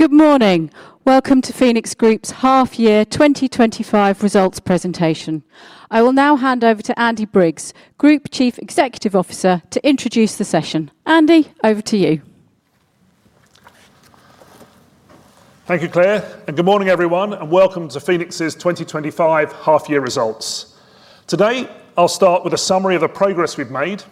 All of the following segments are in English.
Good morning. Welcome to Phoenix Group's Half-Year 2025 Results Presentation. I will now hand over to Andy Briggs, Group Chief Executive Officer, to introduce the session. Andy, over to you. Thank you, Claire, and good morning everyone, and welcome to Phoenix 's 2025 half-year results. Today, I'll start with a summary of the progress we've made.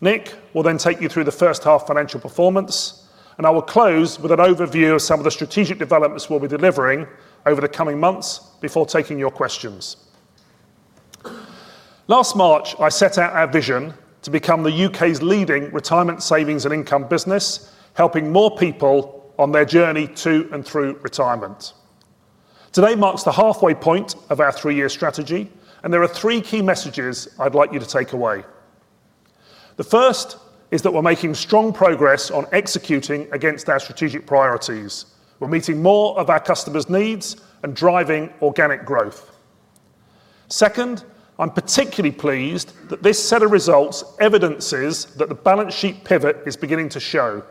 Nick will then take you through the first half's financial performance, and I will close with an overview of some of the strategic developments we'll be delivering over the coming months before taking your questions. Last March, I set out our vision to become the UK's leading retirement savings and income business, helping more people on their journey to and through retirement. Today marks the halfway point of our three-year strategy, and there are three key messages I'd like you to take away. The first is that we're making strong progress on executing against our strategic priorities. We're meeting more of our customers' needs and driving organic growth. Second, I'm particularly pleased that this set of results evidences that the balance sheet pivot is beginning to show,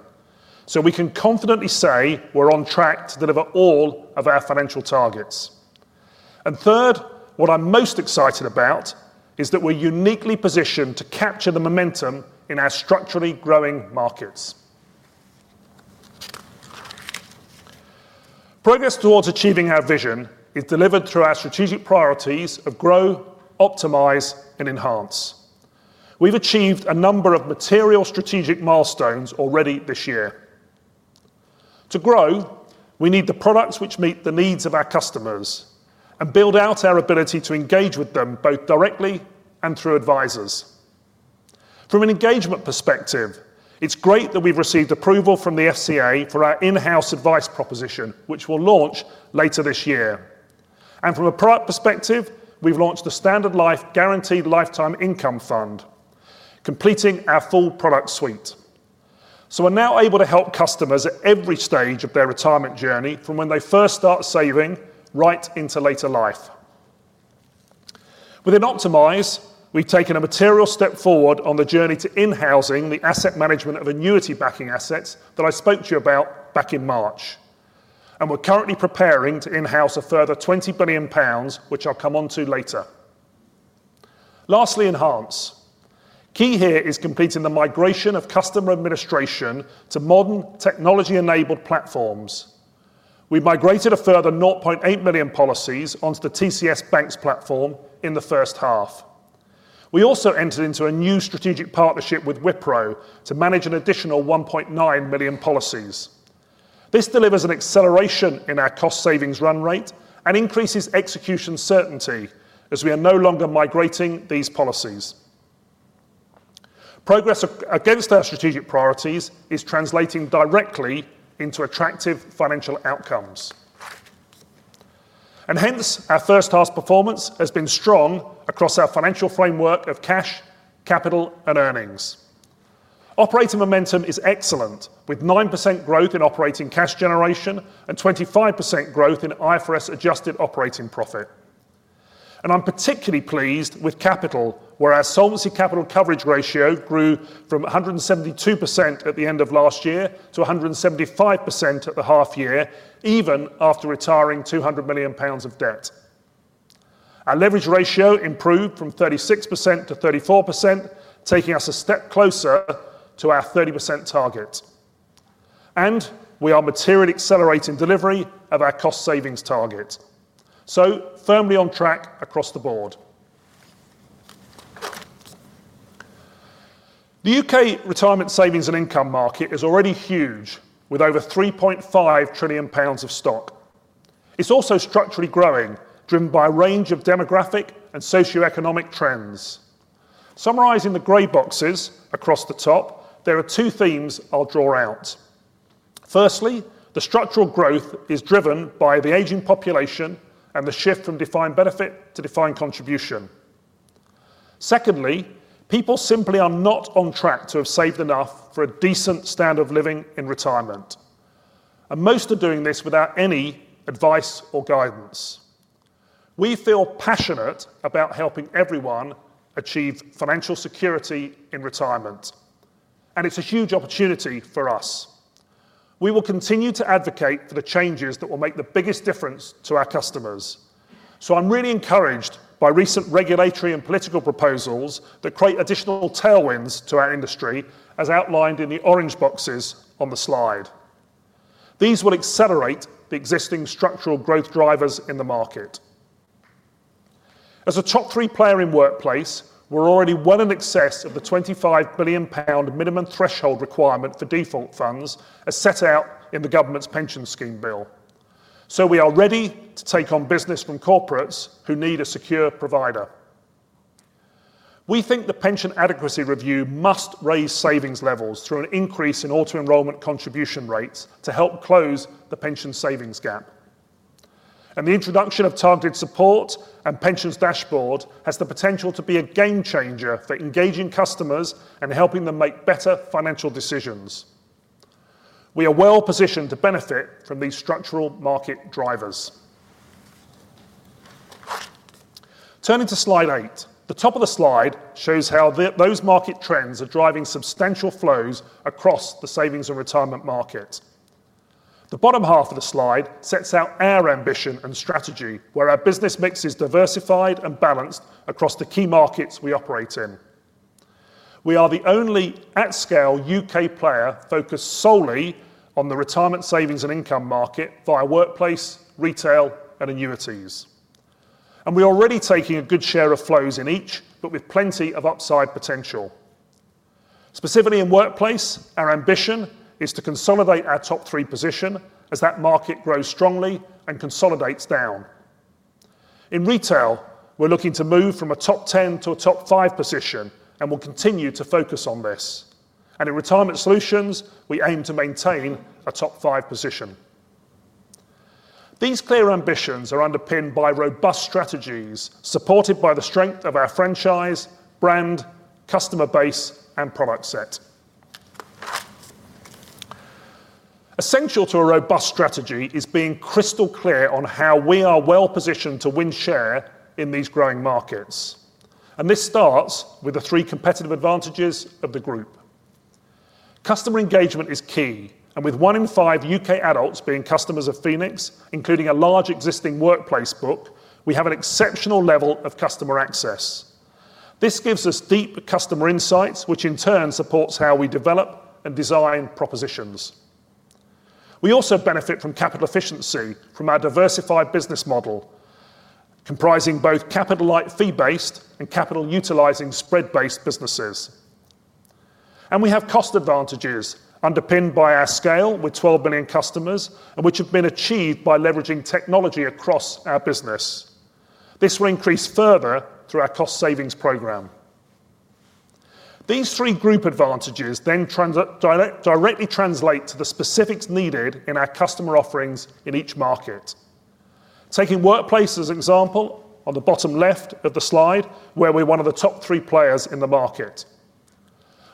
so we can confidently say we're on track to deliver all of our financial targets. Third, what I'm most excited about is that we're uniquely positioned to capture the momentum in our structurally growing markets. Progress towards achieving our vision is delivered through our strategic priorities of Grow, Optimise, and Enhance. We've achieved a number of material strategic milestones already this year. To grow, we need the products which meet the needs of our customers and build out our ability to engage with them both directly and through advisors. From an engagement perspective, it's great that we've received approval from the FCA for our in-house advice proposition, which will launch later this year. From a product perspective, we've launched the Standard Life Guaranteed Lifetime Income Fund, completing our full product suite. We're now able to help customers at every stage of their retirement journey, from when they first start saving right into later life. Within Optimise, we've taken a material step forward on the journey to in-housing the asset management of annuity-backing assets that I spoke to you about back in March. We're currently preparing to in-house a further 20 billion pounds, which I'll come onto later. Lastly, Enhance. Key here is completing the migration of customer administration to modern, technology-enabled platforms. We've migrated a further 0.8 million policies onto the TCS BaNCS platform in the first half. We also entered into a new strategic partnership with Wipro to manage an additional 1.9 million policies. This delivers an acceleration in our cost-savings run rate and increases execution certainty as we are no longer migrating these policies. Progress against our strategic priorities is translating directly into attractive financial outcomes. Our first half's performance has been strong across our financial framework of cash, capital, and earnings. Operating momentum is excellent, with 9% growth in operating cash generation and 25% growth in IFRS-adjusted operating profit. I'm particularly pleased with capital, where our solvency capital coverage ratio grew from 172% at the end of last year to 175% at the half-year, even after retiring 200 million pounds of debt. Our leverage ratio improved from 36%- 34%, taking us a step closer to our 30% target. We are materially accelerating delivery of our cost-savings target, firmly on track across the board. The U.K. retirement savings and income market is already huge, with over 3.5 trillion pounds of stock. It's also structurally growing, driven by a range of demographic and socioeconomic trends. Summarizing the grey boxes across the top, there are two themes I'll draw out. Firstly, the structural growth is driven by the aging population and the shift from defined benefit to defined contribution. Secondly, people simply are not on track to have saved enough for a decent standard of living in retirement. Most are doing this without any advice or guidance. We feel passionate about helping everyone achieve financial security in retirement. It's a huge opportunity for us. We will continue to advocate for the changes that will make the biggest difference to our customers. I'm really encouraged by recent regulatory and political proposals that create additional tailwinds to our industry, as outlined in the orange boxes on the slide. These will accelerate the existing structural growth drivers in the market. As a top three player in the workplace, we're already well in excess of the 25 billion pound minimum threshold requirement for default funds, as set out in the government's pension scheme bill. We are ready to take on business from corporates who need a secure provider. We think the pension adequacy review must raise savings levels through an increase in auto-enrollment contribution rates to help close the pension savings gap. The introduction of targeted support and pensions dashboard has the potential to be a game changer for engaging customers and helping them make better financial decisions. We are well positioned to benefit from these structural market drivers. Turning to slide eight, the top of the slide shows how those market trends are driving substantial flows across the savings and retirement market. The bottom half of the slide sets out our ambition and strategy, where our business mix is diversified and balanced across the key markets we operate in. We are the only at-scale UK player focused solely on the retirement savings and income market via workplace, retail, and annuities. We're already taking a good share of flows in each, but with plenty of upside potential. Specifically in the workplace, our ambition is to consolidate our top three position as that market grows strongly and consolidates down. In retail, we're looking to move from a top 10 to a top 5 position and will continue to focus on this. In retirement solutions, we aim to maintain a top 5 position. These clear ambitions are underpinned by robust strategies supported by the strength of our franchise, brand, customer base, and product set. Essential to a robust strategy is being crystal clear on how we are well positioned to win share in these growing markets. This starts with the three competitive advantages of the group. Customer engagement is key, and with one in five U.K. adults being customers of Phoenix, including a large existing workplace book, we have an exceptional level of customer access. This gives us deep customer insights, which in turn supports how we develop and design propositions. We also benefit from capital efficiency from our diversified business model, comprising both capital-like fee-based and capital-utilizing spread-based businesses. We have cost advantages underpinned by our scale with 12 million customers, and which have been achieved by leveraging technology across our business. This will increase further through our cost-savings program. These three group advantages then directly translate to the specifics needed in our customer offerings in each market. Taking workplace as an example, on the bottom left of the slide, where we're one of the top three players in the market.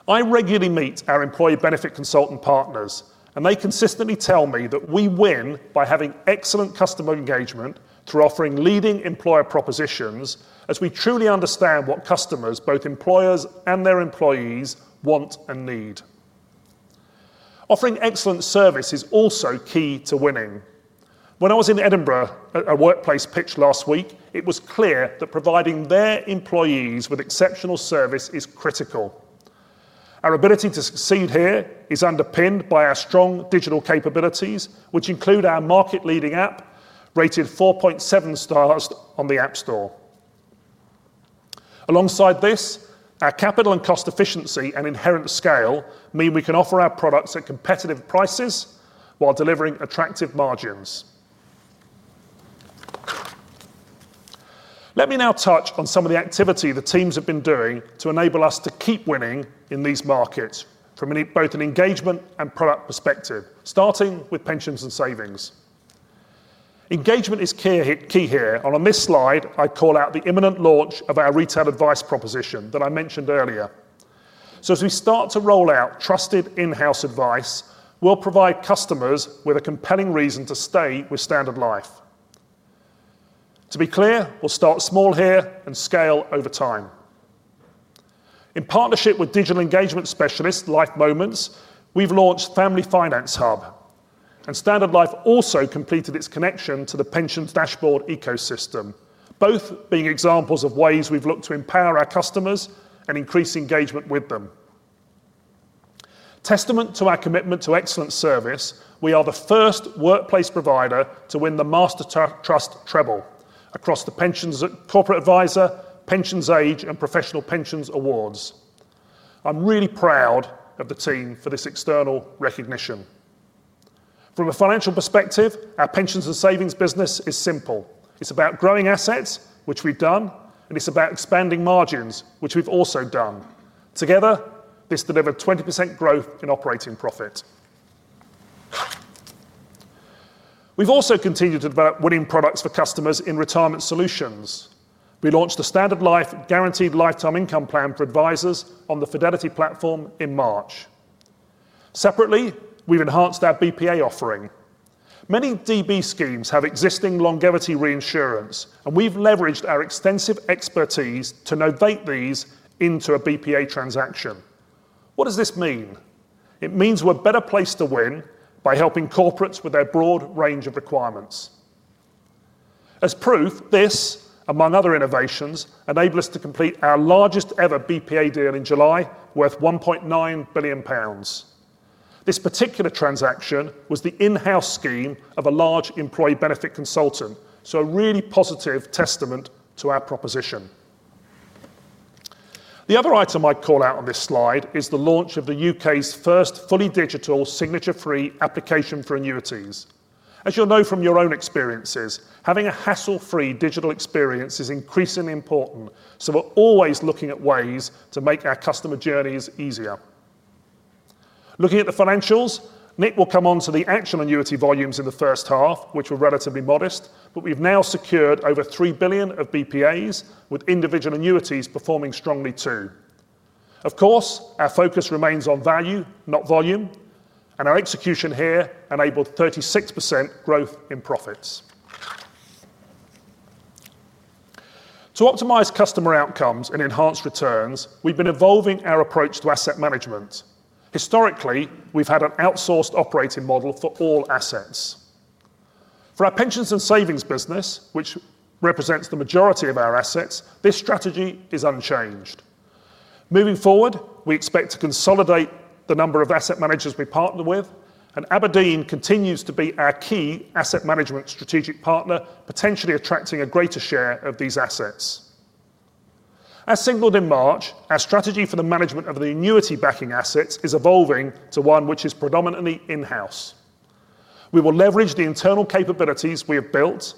I regularly meet our employee benefit consultant partners, and they consistently tell me that we win by having excellent customer engagement through offering leading employer propositions, as we truly understand what customers, both employers and their employees, want and need. Offering excellent service is also key to winning. When I was in Edinburgh at a workplace pitch last week, it was clear that providing their employees with exceptional service is critical. Our ability to succeed here is underpinned by our strong digital capabilities, which include our market-leading app, rated 4.7 stars on the App Store. Alongside this, our capital and cost efficiency and inherent scale mean we can offer our products at competitive prices while delivering attractive margins. Let me now touch on some of the activity the teams have been doing to enable us to keep winning in these markets, from both an engagement and product perspective, starting with pensions and savings. Engagement is key here. On this slide, I call out the imminent launch of our retail advice proposition that I mentioned earlier. As we start to roll out trusted in-house advice, we'll provide customers with a compelling reason to stay with Standard Life. To be clear, we'll start small here and scale over time. In partnership with digital engagement specialist Life Moments, we've launched Family Finance Hub. Standard Life also completed its connection to the pensions dashboard ecosystem, both being examples of ways we've looked to empower our customers and increase engagement with them. Testament to our commitment to excellent service, we are the first workplace provider to win the Master Trust Treble across the Pensions at Corporate Adviser, Pensions Age, and Professional Pensions awards. I'm really proud of the team for this external recognition. From a financial perspective, our pensions and savings business is simple. It's about growing assets, which we've done, and it's about expanding margins, which we've also done. Together, this delivered 20% growth in operating profit. We've also continued to develop winning products for customers in retirement solutions. We launched the Standard Life Guaranteed Lifetime Income Fund for advisors on the Fidelity platform in March. Separately, we've enhanced our BPA offering. Many DB schemes have existing longevity reinsurance, and we've leveraged our extensive expertise to novate these into a BPA transaction. What does this mean? It means we're a better place to win by helping corporates with their broad range of requirements. As proof, this, among other innovations, enables us to complete our largest ever BPA deal in July, worth 1.9 billion pounds. This particular transaction was the in-house scheme of a large employee benefit consultant, so a really positive testament to our proposition. The other item I'd call out on this slide is the launch of the UK's first fully digital, signature-free application for annuities. As you'll know from your own experiences, having a hassle-free digital experience is increasingly important, so we're always looking at ways to make our customer journeys easier. Looking at the financials, Nick will come onto the actual annuity volumes in the first half, which were relatively modest, but we've now secured over 3 billion of BPAs, with individual annuities performing strongly too. Of course, our focus remains on value, not volume, and our execution here enabled 36% growth in profits. To optimize customer outcomes and enhance returns, we've been evolving our approach to asset management. Historically, we've had an outsourced operating model for all assets. For our pensions and savings business, which represents the majority of our assets, this strategy is unchanged. Moving forward, we expect to consolidate the number of asset managers we partner with, and Aberdeen continues to be our key asset management strategic partner, potentially attracting a greater share of these assets. As signaled in March, our strategy for the management of the annuity-backing assets is evolving to one which is predominantly in-house. We will leverage the internal capabilities we have built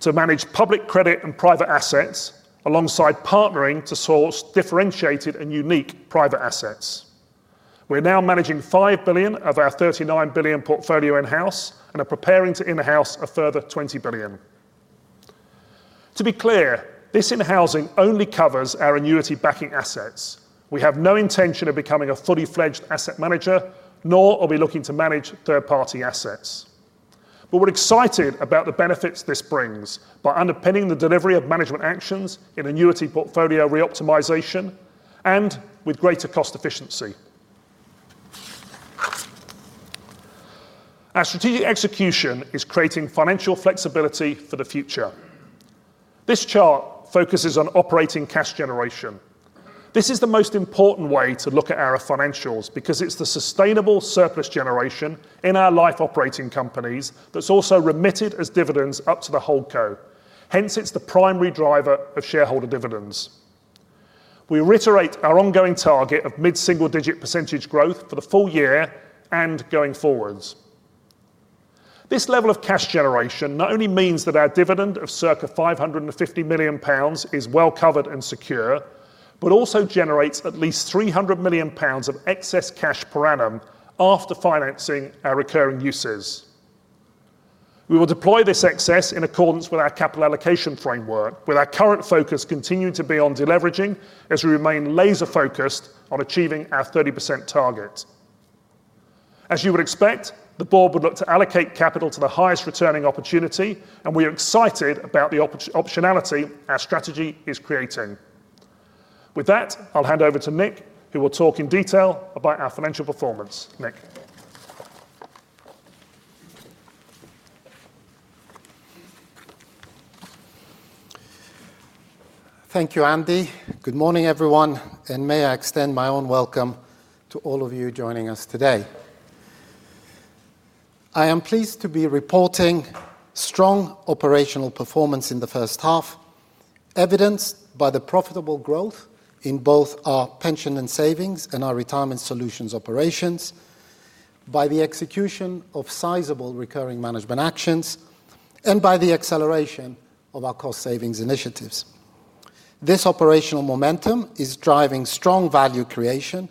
to manage public credit and private assets, alongside partnering to source differentiated and unique private assets. We're now managing 5 billion of our 39 billion portfolio in-house and are preparing to in-house a further 20 billion. To be clear, this in-housing only covers our annuity-backing assets. We have no intention of becoming a fully fledged asset manager, nor are we looking to manage third-party assets. We're excited about the benefits this brings by underpinning the delivery of management actions in annuity portfolio re-optimization and with greater cost efficiency. Our strategic execution is creating financial flexibility for the future. This chart focuses on operating cash generation. This is the most important way to look at our financials because it's the sustainable surplus generation in our life operating companies that's also remitted as dividends up to the holdco. Hence, it's the primary driver of shareholder dividends. We reiterate our ongoing target of mid-single-digit % growth for the full year and going forwards. This level of cash generation not only means that our dividend of circa 550 million pounds is well covered and secure, but also generates at least 300 million pounds of excess cash per annum after financing our recurring uses. We will deploy this excess in accordance with our capital allocation framework, with our current focus continuing to be on deleveraging as we remain laser-focused on achieving our 30% target. As you would expect, the Board would look to allocate capital to the highest returning opportunity, and we are excited about the optionality our strategy is creating. With that, I'll hand over to Nick, who will talk in detail about our financial performance. Nick. Thank you, Andy. Good morning, everyone, and may I extend my own welcome to all of you joining us today. I am pleased to be reporting strong operational performance in the first half, evidenced by the profitable growth in both our pensions and savings and our retirement solutions operations, by the execution of sizable recurring management actions, and by the acceleration of our cost-savings initiatives. This operational momentum is driving strong value creation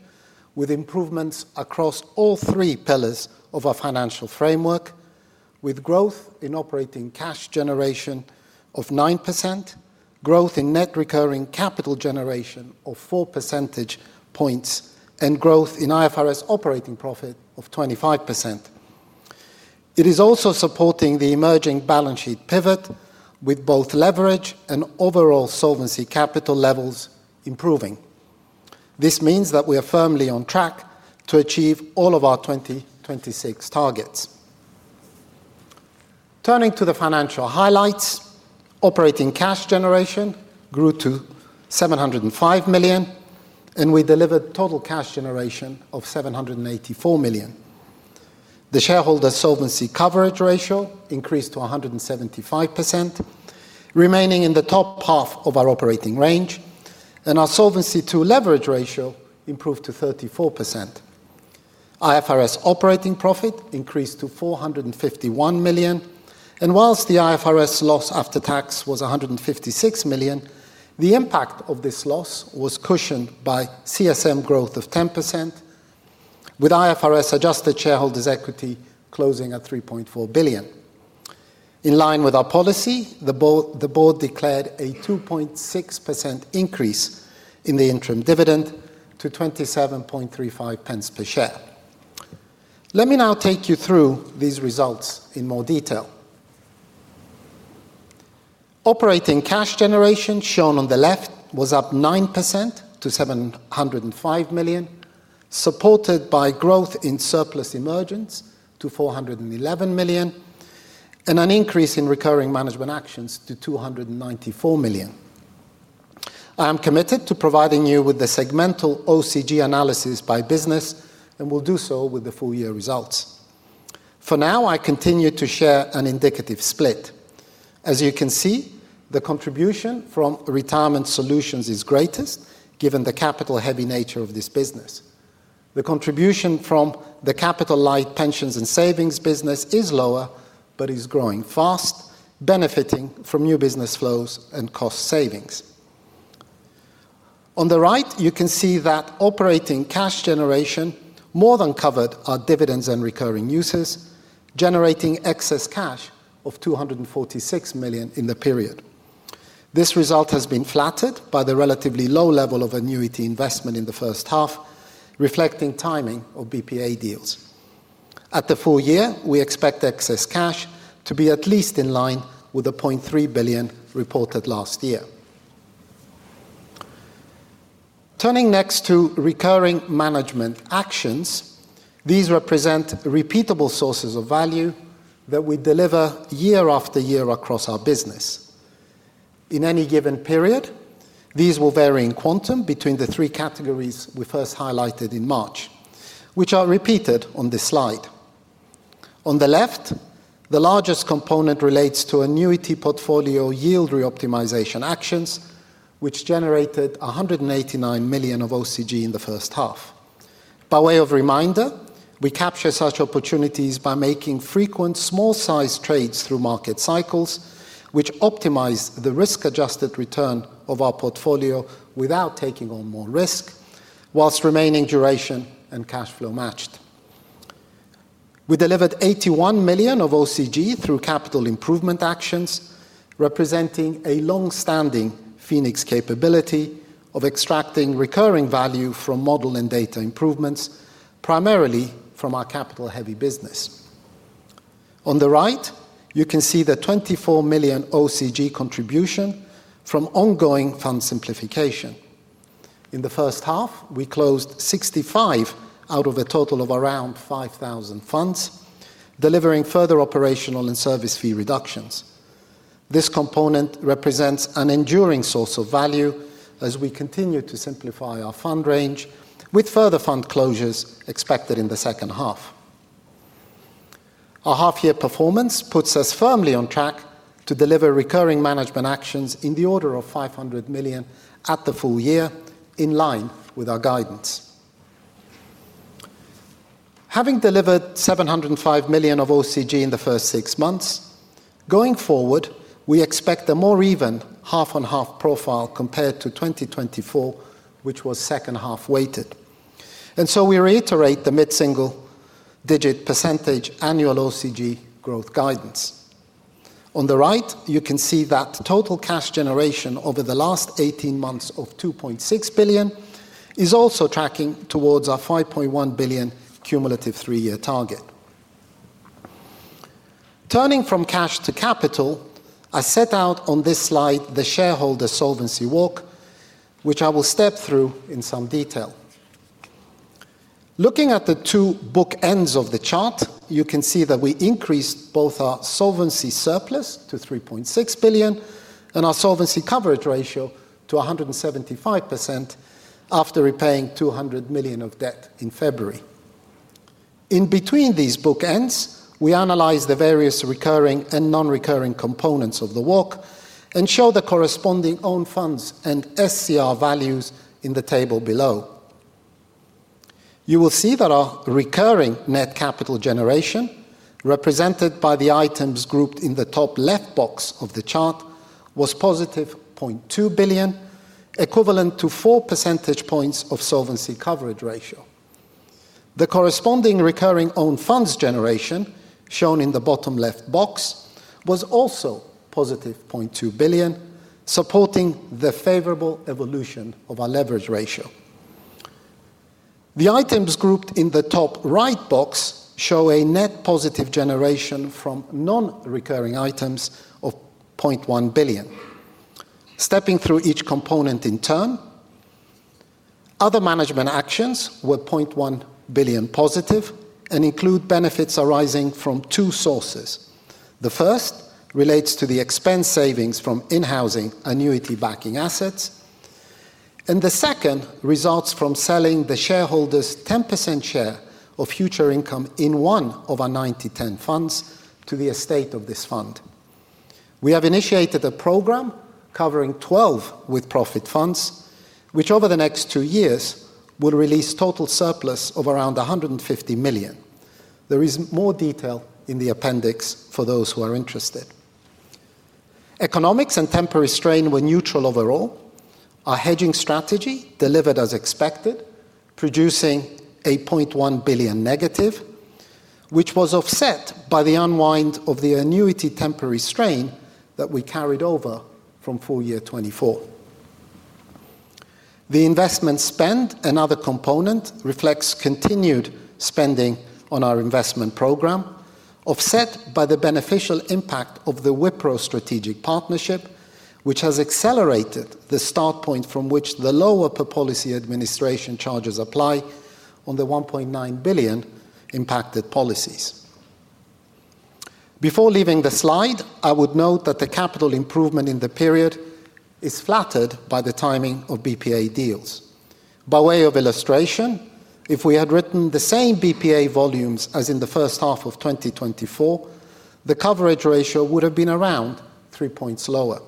with improvements across all three pillars of our financial framework, with growth in operating cash generation of 9%, growth in net recurring capital generation of 4 percentage points, and growth in IFRS-adjusted operating profit of 25%. It is also supporting the emerging balance sheet pivot, with both leverage and overall solvency capital levels improving. This means that we are firmly on track to achieve all of our 2026 targets. Turning to the financial highlights, operating cash generation grew to 705 million, and we delivered total cash generation of 784 million. The shareholder solvency capital coverage ratio increased to 175%, remaining in the top half of our operating range, and our solvency-to-leverage ratio improved to 34%. IFRS-adjusted operating profit increased to 451 million, and whilst the IFRS loss after tax was 156 million, the impact of this loss was cushioned by CSM growth of 10%, with IFRS-adjusted shareholders' equity closing at 3.4 billion. In line with our policy, the board declared a 2.6% increase in the interim dividend to 27.35 per share. Let me now take you through these results in more detail. Operating cash generation shown on the left was up 9% to 705 million, supported by growth in surplus emergents to 411 million, and an increase in recurring management actions to 294 million. I am committed to providing you with the segmental OCG analysis by business, and will do so with the full-year results. For now, I continue to share an indicative split. As you can see, the contribution from retirement solutions is greatest, given the capital-heavy nature of this business. The contribution from the capital-light pensions and savings business is lower, but is growing fast, benefiting from new business flows and cost savings. On the right, you can see that operating cash generation more than covered our dividends and recurring uses, generating excess cash of 246 million in the period. This result has been flattered by the relatively low level of annuity investment in the first half, reflecting timing of BPA deals. At the full year, we expect excess cash to be at least in line with the 0.3 billion reported last year. Turning next to recurring management actions, these represent repeatable sources of value that we deliver year after year across our business. In any given period, these will vary in quantum between the three categories we first highlighted in March, which are repeated on this slide. On the left, the largest component relates to annuity portfolio yield re-optimization actions, which generated 189 million of OCG in the first half. By way of reminder, we capture such opportunities by making frequent small-sized trades through market cycles, which optimize the risk-adjusted return of our portfolio without taking on more risk, whilst remaining duration and cash flow matched. We delivered 81 million of OCG through capital improvement actions, representing a longstanding Phoenix capability of extracting recurring value from model and data improvements, primarily from our capital-heavy business. On the right, you can see the 24 million OCG contribution from ongoing fund simplification. In the first half, we closed 65 out of a total of around 5,000 funds, delivering further operational and service fee reductions. This component represents an enduring source of value as we continue to simplify our fund range, with further fund closures expected in the second half. Our half-year performance puts us firmly on track to deliver recurring management actions in the order of 500 million at the full year, in line with our guidance. Having delivered 705 million of OCG in the first six months, going forward, we expect a more even half-on-half profile compared to 2024, which was second half weighted and so we reiterate the mid-single-digit % annual OCG growth guidance. On the right, you can see that total cash generation over the last 18 months of 2.6 billion is also tracking towards our 5.1 billion cumulative three-year target. Turning from cash to capital, I set out on this slide the shareholder solvency walk, which I will step through in some detail. Looking at the two book ends of the chart, you can see that we increased both our solvency surplus to 3.6 billion and our solvency coverage ratio to 175% after repaying 200 million of debt in February. In between these book ends, we analyze the various recurring and non-recurring components of the walk and show the corresponding owned funds and SCR values in the table below. You will see that our recurring net capital generation, represented by the items grouped in the top left box of the chart, was 0.2 billion, equivalent to 4% of solvency coverage ratio. The corresponding recurring owned funds generation, shown in the bottom left box, was also +0.2 billion, supporting the favorable evolution of our leverage ratio. The items grouped in the top right box show a net positive generation from non-recurring items of 0.1 billion. Stepping through each component in turn, other management actions were 0.1 billion positive and include benefits arising from two sources. The first relates to the expense savings from in-housing annuity-backing assets, and the second results from selling the shareholders' 10% share of future income in one of our 90/10 funds to the estate of this fund. We have initiated a program covering 12 with-profit funds, which over the next two years will release total surplus of around 150 million. There is more detail in the appendix for those who are interested. Economics and temporary strain were neutral overall. Our hedging strategy delivered as expected, producing a -0.1 billion, which was offset by the unwind of the annuity temporary strain that we carried over from full year 2024. The investment spend and other component reflect continued spending on our investment program, offset by the beneficial impact of the Wipro strategic partnership, which has accelerated the start point from which the lower per policy administration charges apply on the 1.9 billion impacted policies. Before leaving the slide, I would note that the capital improvement in the period is flattered by the timing of BPA deals. By way of illustration, if we had written the same BPA volumes as in the first half of 2024, the coverage ratio would have been around three points lower,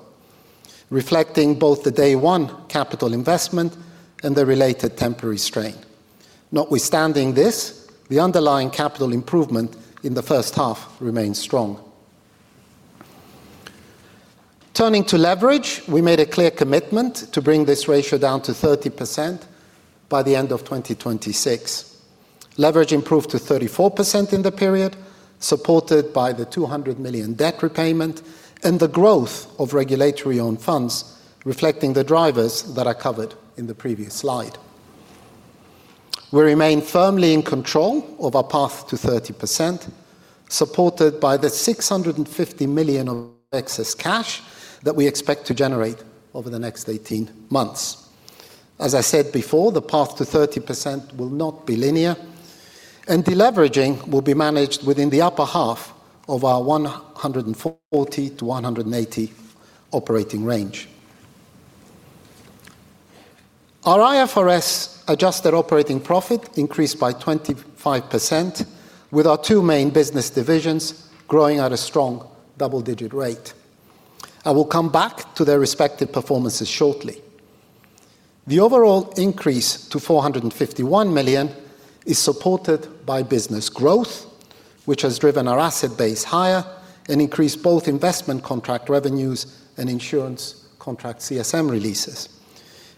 reflecting both the day-one capital investment and the related temporary strain. Notwithstanding this, the underlying capital improvement in the first half remains strong. Turning to leverage, we made a clear commitment to bring this ratio down to 30% by the end of 2026. Leverage improved to 34% in the period, supported by the 200 million debt repayment and the growth of regulatory owned funds, reflecting the drivers that are covered in the previous slide. We remain firmly in control of our path to 30%, supported by the 650 million of excess cash that we expect to generate over the next 18 months. As I said before, the path to 30% will not be linear, and deleveraging will be managed within the upper half of our 140- 180 operating range. Our IFRS-adjusted operating profit increased by 25%, with our two main business divisions growing at a strong double-digit rate. I will come back to their respective performances shortly. The overall increase to 451 million is supported by business growth, which has driven our asset base higher and increased both investment contract revenues and insurance contract CSM releases.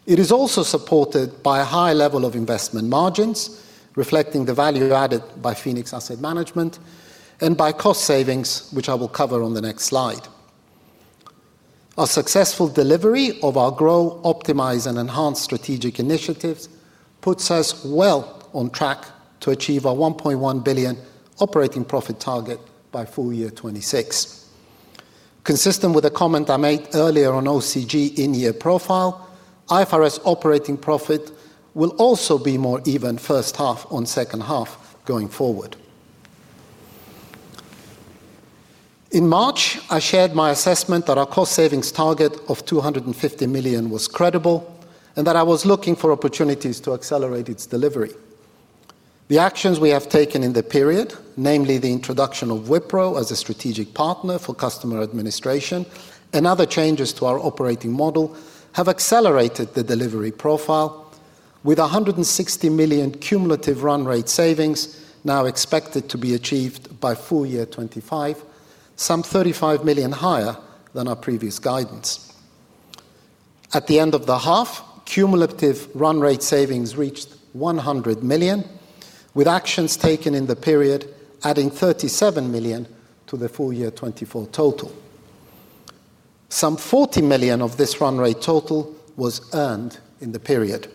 It is also supported by a high level of investment margins, reflecting the value added by Phoenix Asset Management, and by cost savings, which I will cover on the next slide. A successful delivery of our Grow, Optimize, and Enhance strategic initiatives puts us well on track to achieve our 1.1 billion operating profit target by full year 2026. Consistent with a comment I made earlier on OCG in-year profile, IFRS operating profit will also be more even first half on second half going forward. In March, I shared my assessment that our cost savings target of 250 million was credible and that I was looking for opportunities to accelerate its delivery. The actions we have taken in the period, namely the introduction of Wipro as a strategic partner for customer administration and other changes to our operating model, have accelerated the delivery profile, with 160 million cumulative run rate savings now expected to be achieved by full year 2025, some 35 million higher than our previous guidance. At the end of the half, cumulative run rate savings reached £100 million, with actions taken in the period adding 37 million to the full year 2024 total. Some 40 million of this run rate total was earned in the period.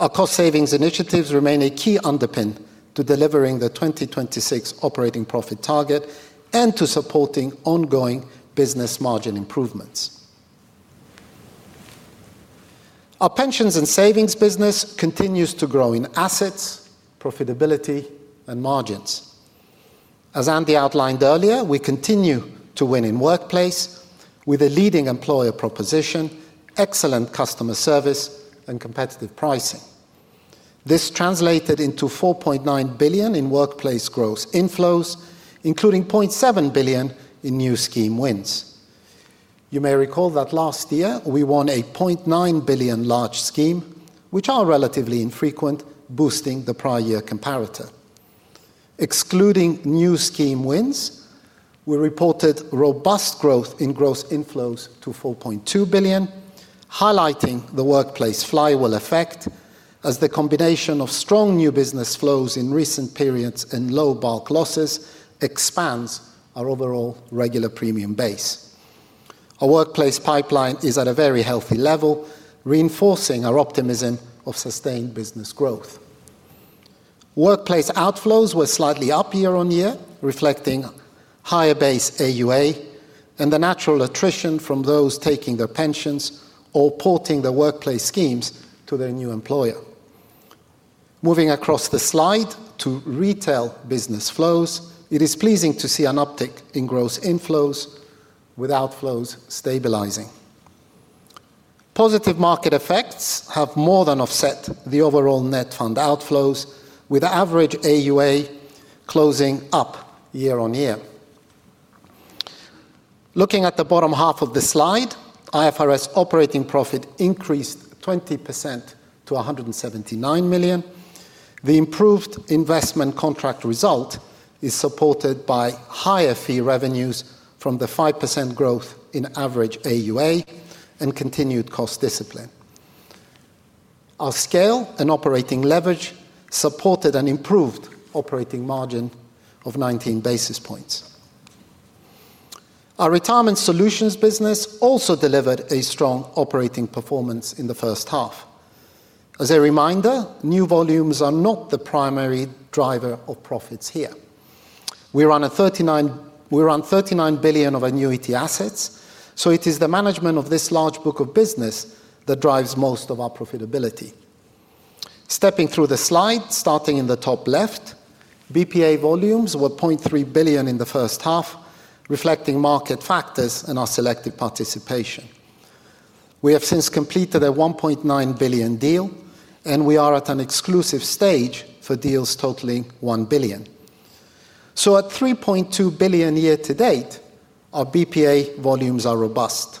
Our cost savings initiatives remain a key underpin to delivering the 2026 operating profit target and to supporting ongoing business margin improvements. Our pensions and savings business continues to grow in assets, profitability, and margins. As Andy outlined earlier, we continue to win in workplace with a leading employer proposition, excellent customer service, and competitive pricing. This translated into 4.9 billion in workplace growth inflows, including 0.7 billion in new scheme wins. You may recall that last year we won a 0.9 billion large scheme, which are relatively infrequent, boosting the prior year comparator. Excluding new scheme wins, we reported robust growth in gross inflows to 4.2 billion, highlighting the workplace flywheel effect, as the combination of strong new business flows in recent periods and low bulk losses expands our overall regular premium base. Our workplace pipeline is at a very healthy level, reinforcing our optimism of sustained business growth. Workplace outflows were slightly up year on year, reflecting higher base AUA and the natural attrition from those taking their pensions or porting their workplace schemes to their new employer. Moving across the slide to retail business flows, it is pleasing to see an uptick in gross inflows, with outflows stabilizing. Positive market effects have more than offset the overall net fund outflows, with average AUA closing up year on year. Looking at the bottom half of the slide, IFRS-adjusted operating profit increased 20% to 179 million. The improved investment contract result is supported by higher fee revenues from the 5% growth in average AUA and continued cost discipline. Our scale and operating leverage supported an improved operating margin of 19 basis points. Our retirement solutions business also delivered a strong operating performance in the first half. As a reminder, new volumes are not the primary driver of profits here. We run 39 billion of annuity assets, so it is the management of this large book of business that drives most of our profitability. Stepping through the slide, starting in the top left, BPA volumes were 0.3 billion in the first half, reflecting market factors and our selective participation. We have since completed a 1.9 billion deal, and we are at an exclusive stage for deals totaling 1 billion. At 3.2 billion year to date, our BPA volumes are robust.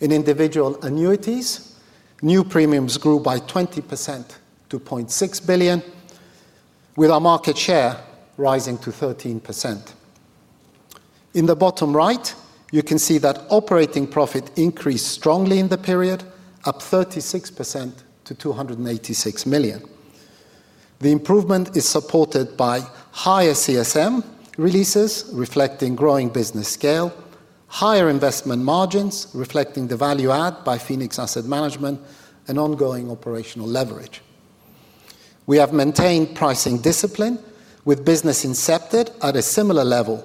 In individual annuities, new premiums grew by 20% to 0.6 billion, with our market share rising to 13%. In the bottom right, you can see that operating profit increased strongly in the period, up 36% to 286 million. The improvement is supported by higher CSM releases, reflecting growing business scale, higher investment margins, reflecting the value add by Phoenix Asset Management, and ongoing operational leverage. We have maintained pricing discipline, with business incepted at a similar level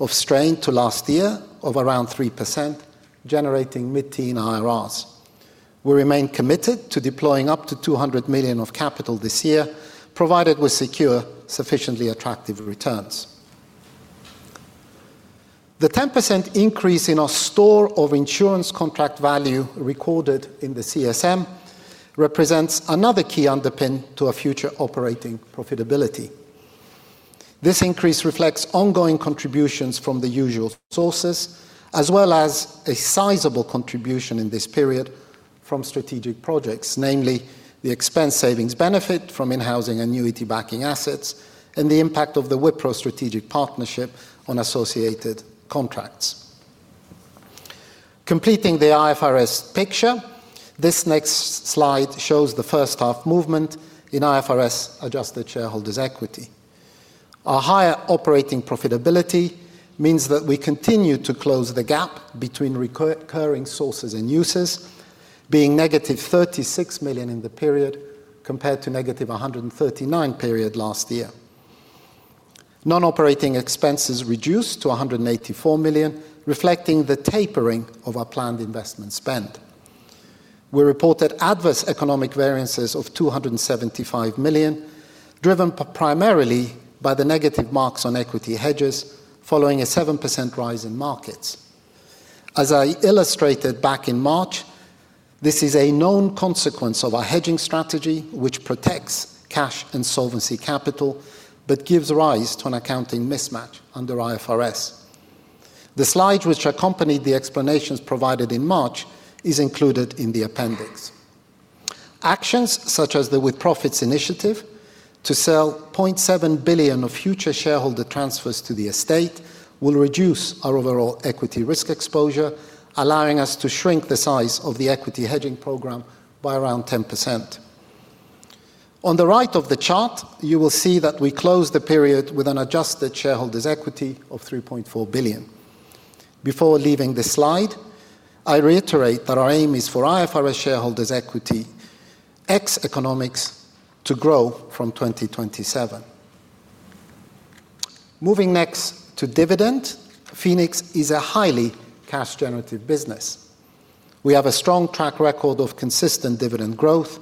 of strain to last year of around 3%, generating mid-teen IRRs. We remain committed to deploying up to 200 million of capital this year, provided we secure sufficiently attractive returns. The 10% increase in our store of insurance contract value recorded in the CSM represents another key underpin to our future operating profitability. This increase reflects ongoing contributions from the usual sources, as well as a sizable contribution in this period from strategic projects, namely the expense savings benefit from in-housing annuity-backing assets and the impact of the Wipro strategic partnership on associated contracts. Completing the IFRS picture, this next slide shows the first half movement in IFRS-adjusted shareholders' equity. Our higher operating profitability means that we continue to close the gap between recurring sources and uses, being £36 million in the period compared to £139 million last year. Non-operating expenses reduced to £184 million, reflecting the tapering of our planned investment spend. We reported adverse economic variances of £275 million, driven primarily by the negative marks on equity hedges following a 7% rise in markets. As I illustrated back in March, this is a known consequence of our hedging strategy, which protects cash and solvency capital, but gives rise to an accounting mismatch under IFRS. The slide which accompanied the explanations provided in March is included in the appendix. Actions such as the with-profits initiative to sell 0.7 billion of future shareholder transfers to the estate will reduce our overall equity risk exposure, allowing us to shrink the size of the equity hedging program by around 10%. On the right of the chart, you will see that we closed the period with an adjusted shareholders' equity of 3.4 billion. Before leaving this slide, I reiterate that our aim is for IFRS shareholders' equity ex-economics to grow from 2027. Moving next to dividend, Phoenix is a highly cash-generative business. We have a strong track record of consistent dividend growth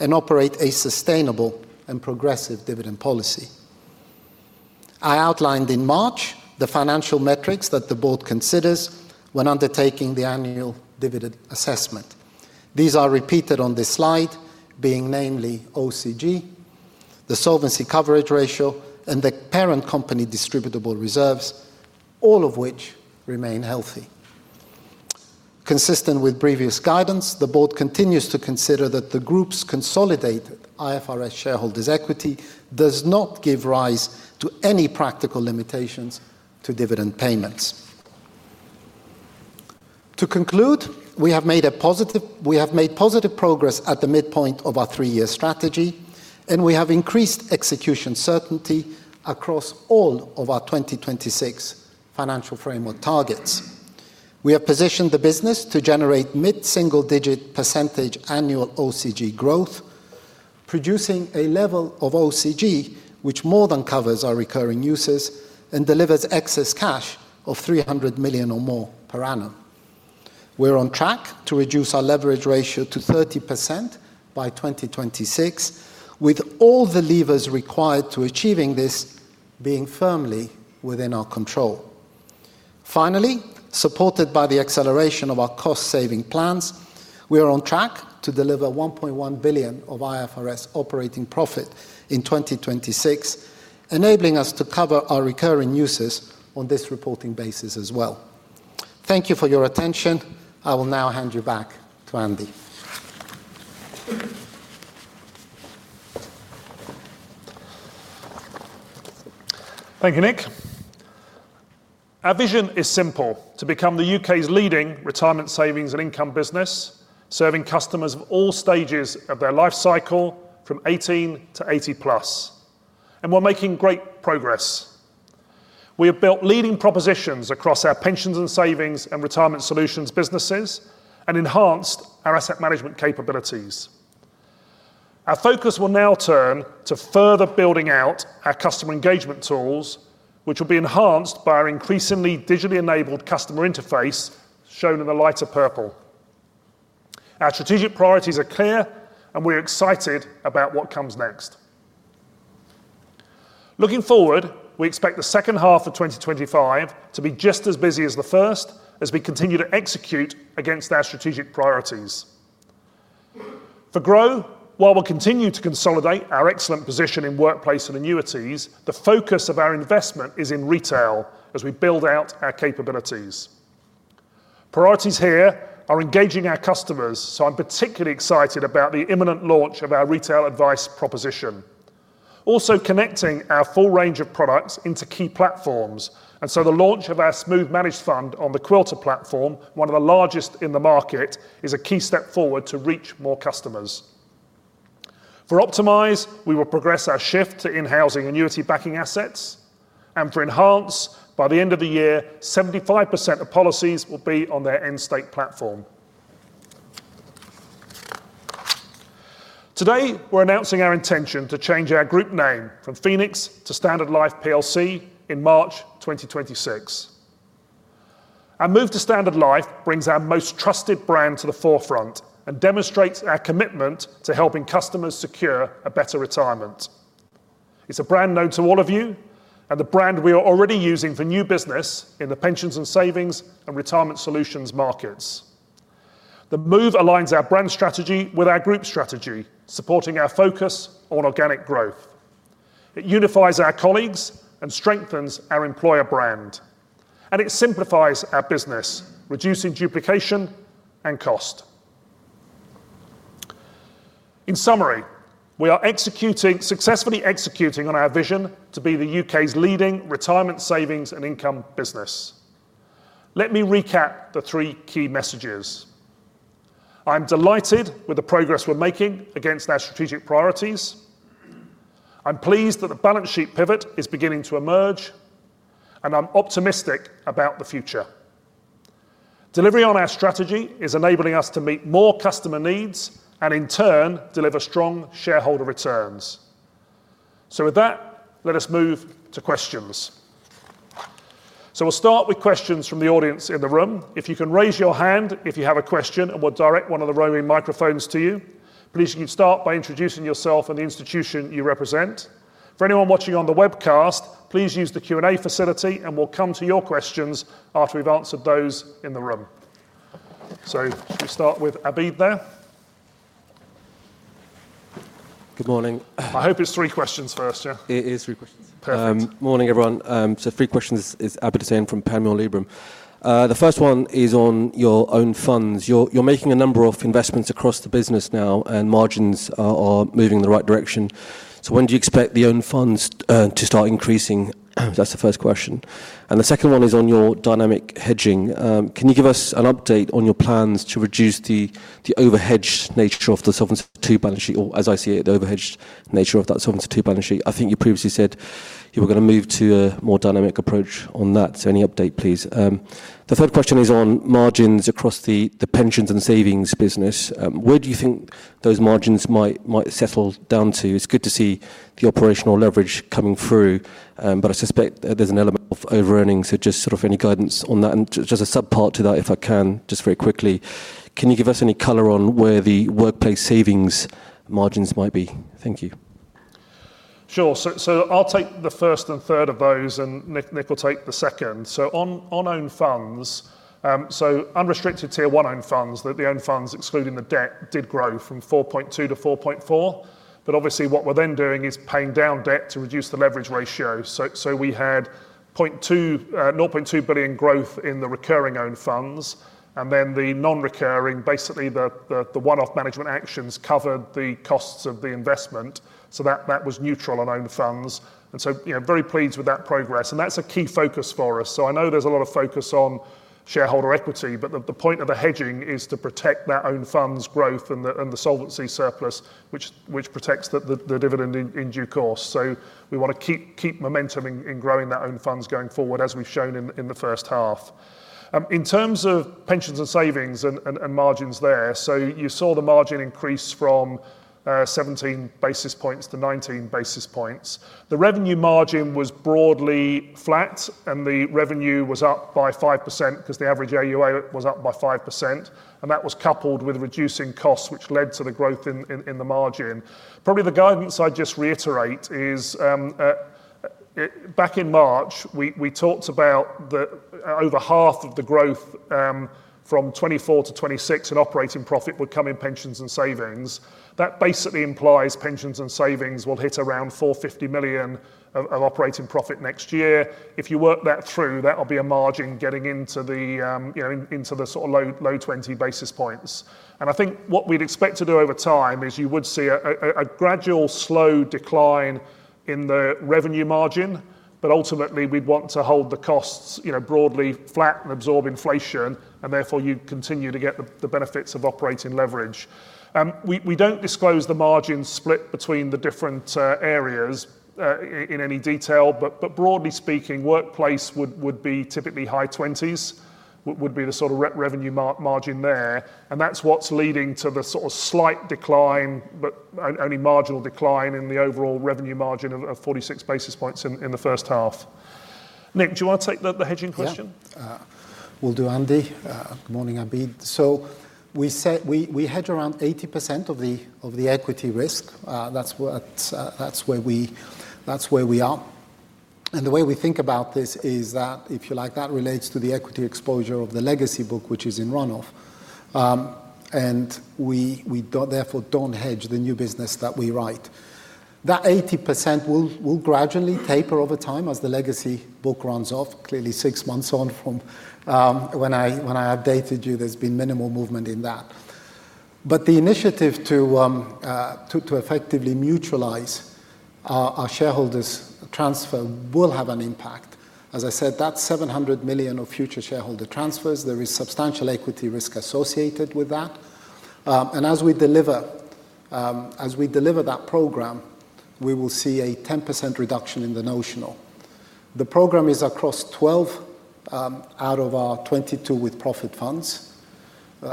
and operate a sustainable and progressive dividend policy. I outlined in March the financial metrics that the board considers when undertaking the annual dividend assessment. These are repeated on this slide, being namely OCG, the solvency capital coverage ratio, and the parent company distributable reserves, all of which remain healthy. Consistent with previous guidance, the board continues to consider that the group's consolidated IFRS shareholders' equity does not give rise to any practical limitations to dividend payments. To conclude, we have made positive progress at the midpoint of our three-year strategy, and we have increased execution certainty across all of our 2026 financial framework targets. We have positioned the business to generate mid-single-digit % annual OCG growth, producing a level of OCG which more than covers our recurring uses and delivers excess cash of 300 million or more per annum. We're on track to reduce our leverage ratio to 30% by 2026, with all the levers required to achieving this being firmly within our control. Finally, supported by the acceleration of our cost-saving plans, we are on track to deliver 1.1 billion of IFRS-adjusted operating profit in 2026, enabling us to cover our recurring uses on this reporting basis as well. Thank you for your attention. I will now hand you back to Andy. Thank you, Nick. Our vision is simple: to become the UK's leading retirement savings and income business, serving customers of all stages of their life cycle, from 18- 80 plus. We're making great progress. We have built leading propositions across our pensions and savings and retirement solutions businesses and enhanced our asset management capabilities. Our focus will now turn to further building out our customer engagement tools, which will be enhanced by our increasingly digitally enabled customer interface, shown in the lighter purple. Our strategic priorities are clear, and we're excited about what comes next. Looking forward, we expect the second half of 2025 to be just as busy as the first as we continue to execute against our strategic priorities. For Grow, while we continue to consolidate our excellent position in workplace and annuities, the focus of our investment is in retail as we build out our capabilities. Priorities here are engaging our customers, so I'm particularly excited about the imminent launch of our retail advice proposition. Also, connecting our full range of products into key platforms, and the launch of our smooth managed fund on the Quilter platform, one of the largest in the market, is a key step forward to reach more customers. For Optimize, we will progress our shift to in-housing annuity-backing assets, and for Enhance, by the end of the year, 75% of policies will be on their end state platform. Today, we're announcing our intention to change our group name from Phoenix to Standard Life PLC in March 2026. Our move to Standard Life brings our most trusted brand to the forefront and demonstrates our commitment to helping customers secure a better retirement. It's a brand known to all of you, and the brand we are already using for new business in the pensions and savings and retirement solutions markets. The move aligns our brand strategy with our group strategy, supporting our focus on organic growth. It unifies our colleagues and strengthens our employer brand, and it simplifies our business, reducing duplication and cost. In summary, we are successfully executing on our vision to be the UK's leading retirement savings and income business. Let me recap the three key messages. I'm delighted with the progress we're making against our strategic priorities. I'm pleased that the balance sheet pivot is beginning to emerge, and I'm optimistic about the future. Delivery on our strategy is enabling us to meet more customer needs and, in turn, deliver strong shareholder returns. With that, let us move to questions. We'll start with questions from the audience in the room. If you can raise your hand if you have a question, we'll direct one of the roving microphones to you. Please, you can start by introducing yourself and the institution you represent. For anyone watching on the webcast, please use the Q&A facility, and we'll come to your questions after we've answered those in the room. Should we start with Abid there? Good morning. I hope it's three questions first, yeah. It is three questions. Perfect. Morning everyone. Three questions, it's Abid Hussain from Panmure Gordon. The first one is on your own funds. You're making a number of investments across the business now, and margins are moving in the right direction. When do you expect the owned funds to start increasing? That's the first question. The second one is on your dynamic hedging. Can you give us an update on your plans to reduce the overhedged nature of the solvency balance sheet, or as I see it, the overhedged nature of that solvency balance sheet? I think you previously said you were going to move to a more dynamic approach on that. Any update, please? The third question is on margins across the pensions and savings business. Where do you think those margins might settle down to? It's good to see the operational leverage coming through, but I suspect there's an element of over-earning, so just any guidance on that. Just a subpart to that, if I can, just very quickly, can you give us any color on where the workplace savings margins might be? Thank you. Sure. I'll take the first and third of those, and Nick will take the second. On owned funds, unrestricted tier one owned funds, the owned funds excluding the debt did grow from 4.2 billion-4.4 billion. Obviously, what we're then doing is paying down debt to reduce the leverage ratio. We had 0.2 billion growth in the recurring owned funds, and then the non-recurring, basically the one-off management actions, covered the costs of the investment. That was neutral on owned funds. I'm very pleased with that progress, and that's a key focus for us. I know there's a lot of focus on shareholder equity, but the point of the hedging is to protect that owned funds growth and the solvency surplus, which protects the dividend in due course. We want to keep momentum in growing that owned funds going forward, as we've shown in the first half. In terms of pensions and savings and margins there, you saw the margin increase from 17 basis points- 19 basis points. The revenue margin was broadly flat, and the revenue was up by 5% because the average AUA was up by 5%. That was coupled with reducing costs, which led to the growth in the margin. The guidance I'd just reiterate is back in March, we talked about that over half of the growth from 2024- 2026 in operating profit would come in pensions and savings. That basically implies pensions and savings will hit around 450 million of operating profit next year. If you work that through, that'll be a margin getting into the sort of low 20 bps. What we'd expect to do over time is you would see a gradual slow decline in the revenue margin, but ultimately we'd want to hold the costs broadly flat and absorb inflation, and therefore you continue to get the benefits of operating leverage. We don't disclose the margin split between the different areas in any detail, but broadly speaking, workplace would be typically high 20s, would be the sort of revenue margin there. That's what's leading to the sort of slight decline, but only marginal decline in the overall revenue margin of 46 basis points in the first half. Nick, do you want to take the hedging question? Yeah, will do, Andy. Good morning, Abid. We said we hedge around 80% of the equity risk. That's where we are. The way we think about this is that, if you like, that relates to the equity exposure of the legacy book, which is in runoff. We therefore don't hedge the new business that we write. That 80% will gradually taper over time as the legacy book runs off. Clearly, six months on from when I updated you, there's been minimal movement in that. The initiative to effectively mutualize our shareholders' transfer will have an impact. As I said, that's 700 million of future shareholder transfers. There is substantial equity risk associated with that. As we deliver that program, we will see a 10% reduction in the notional. The program is across 12 out of our 22 with-profit funds.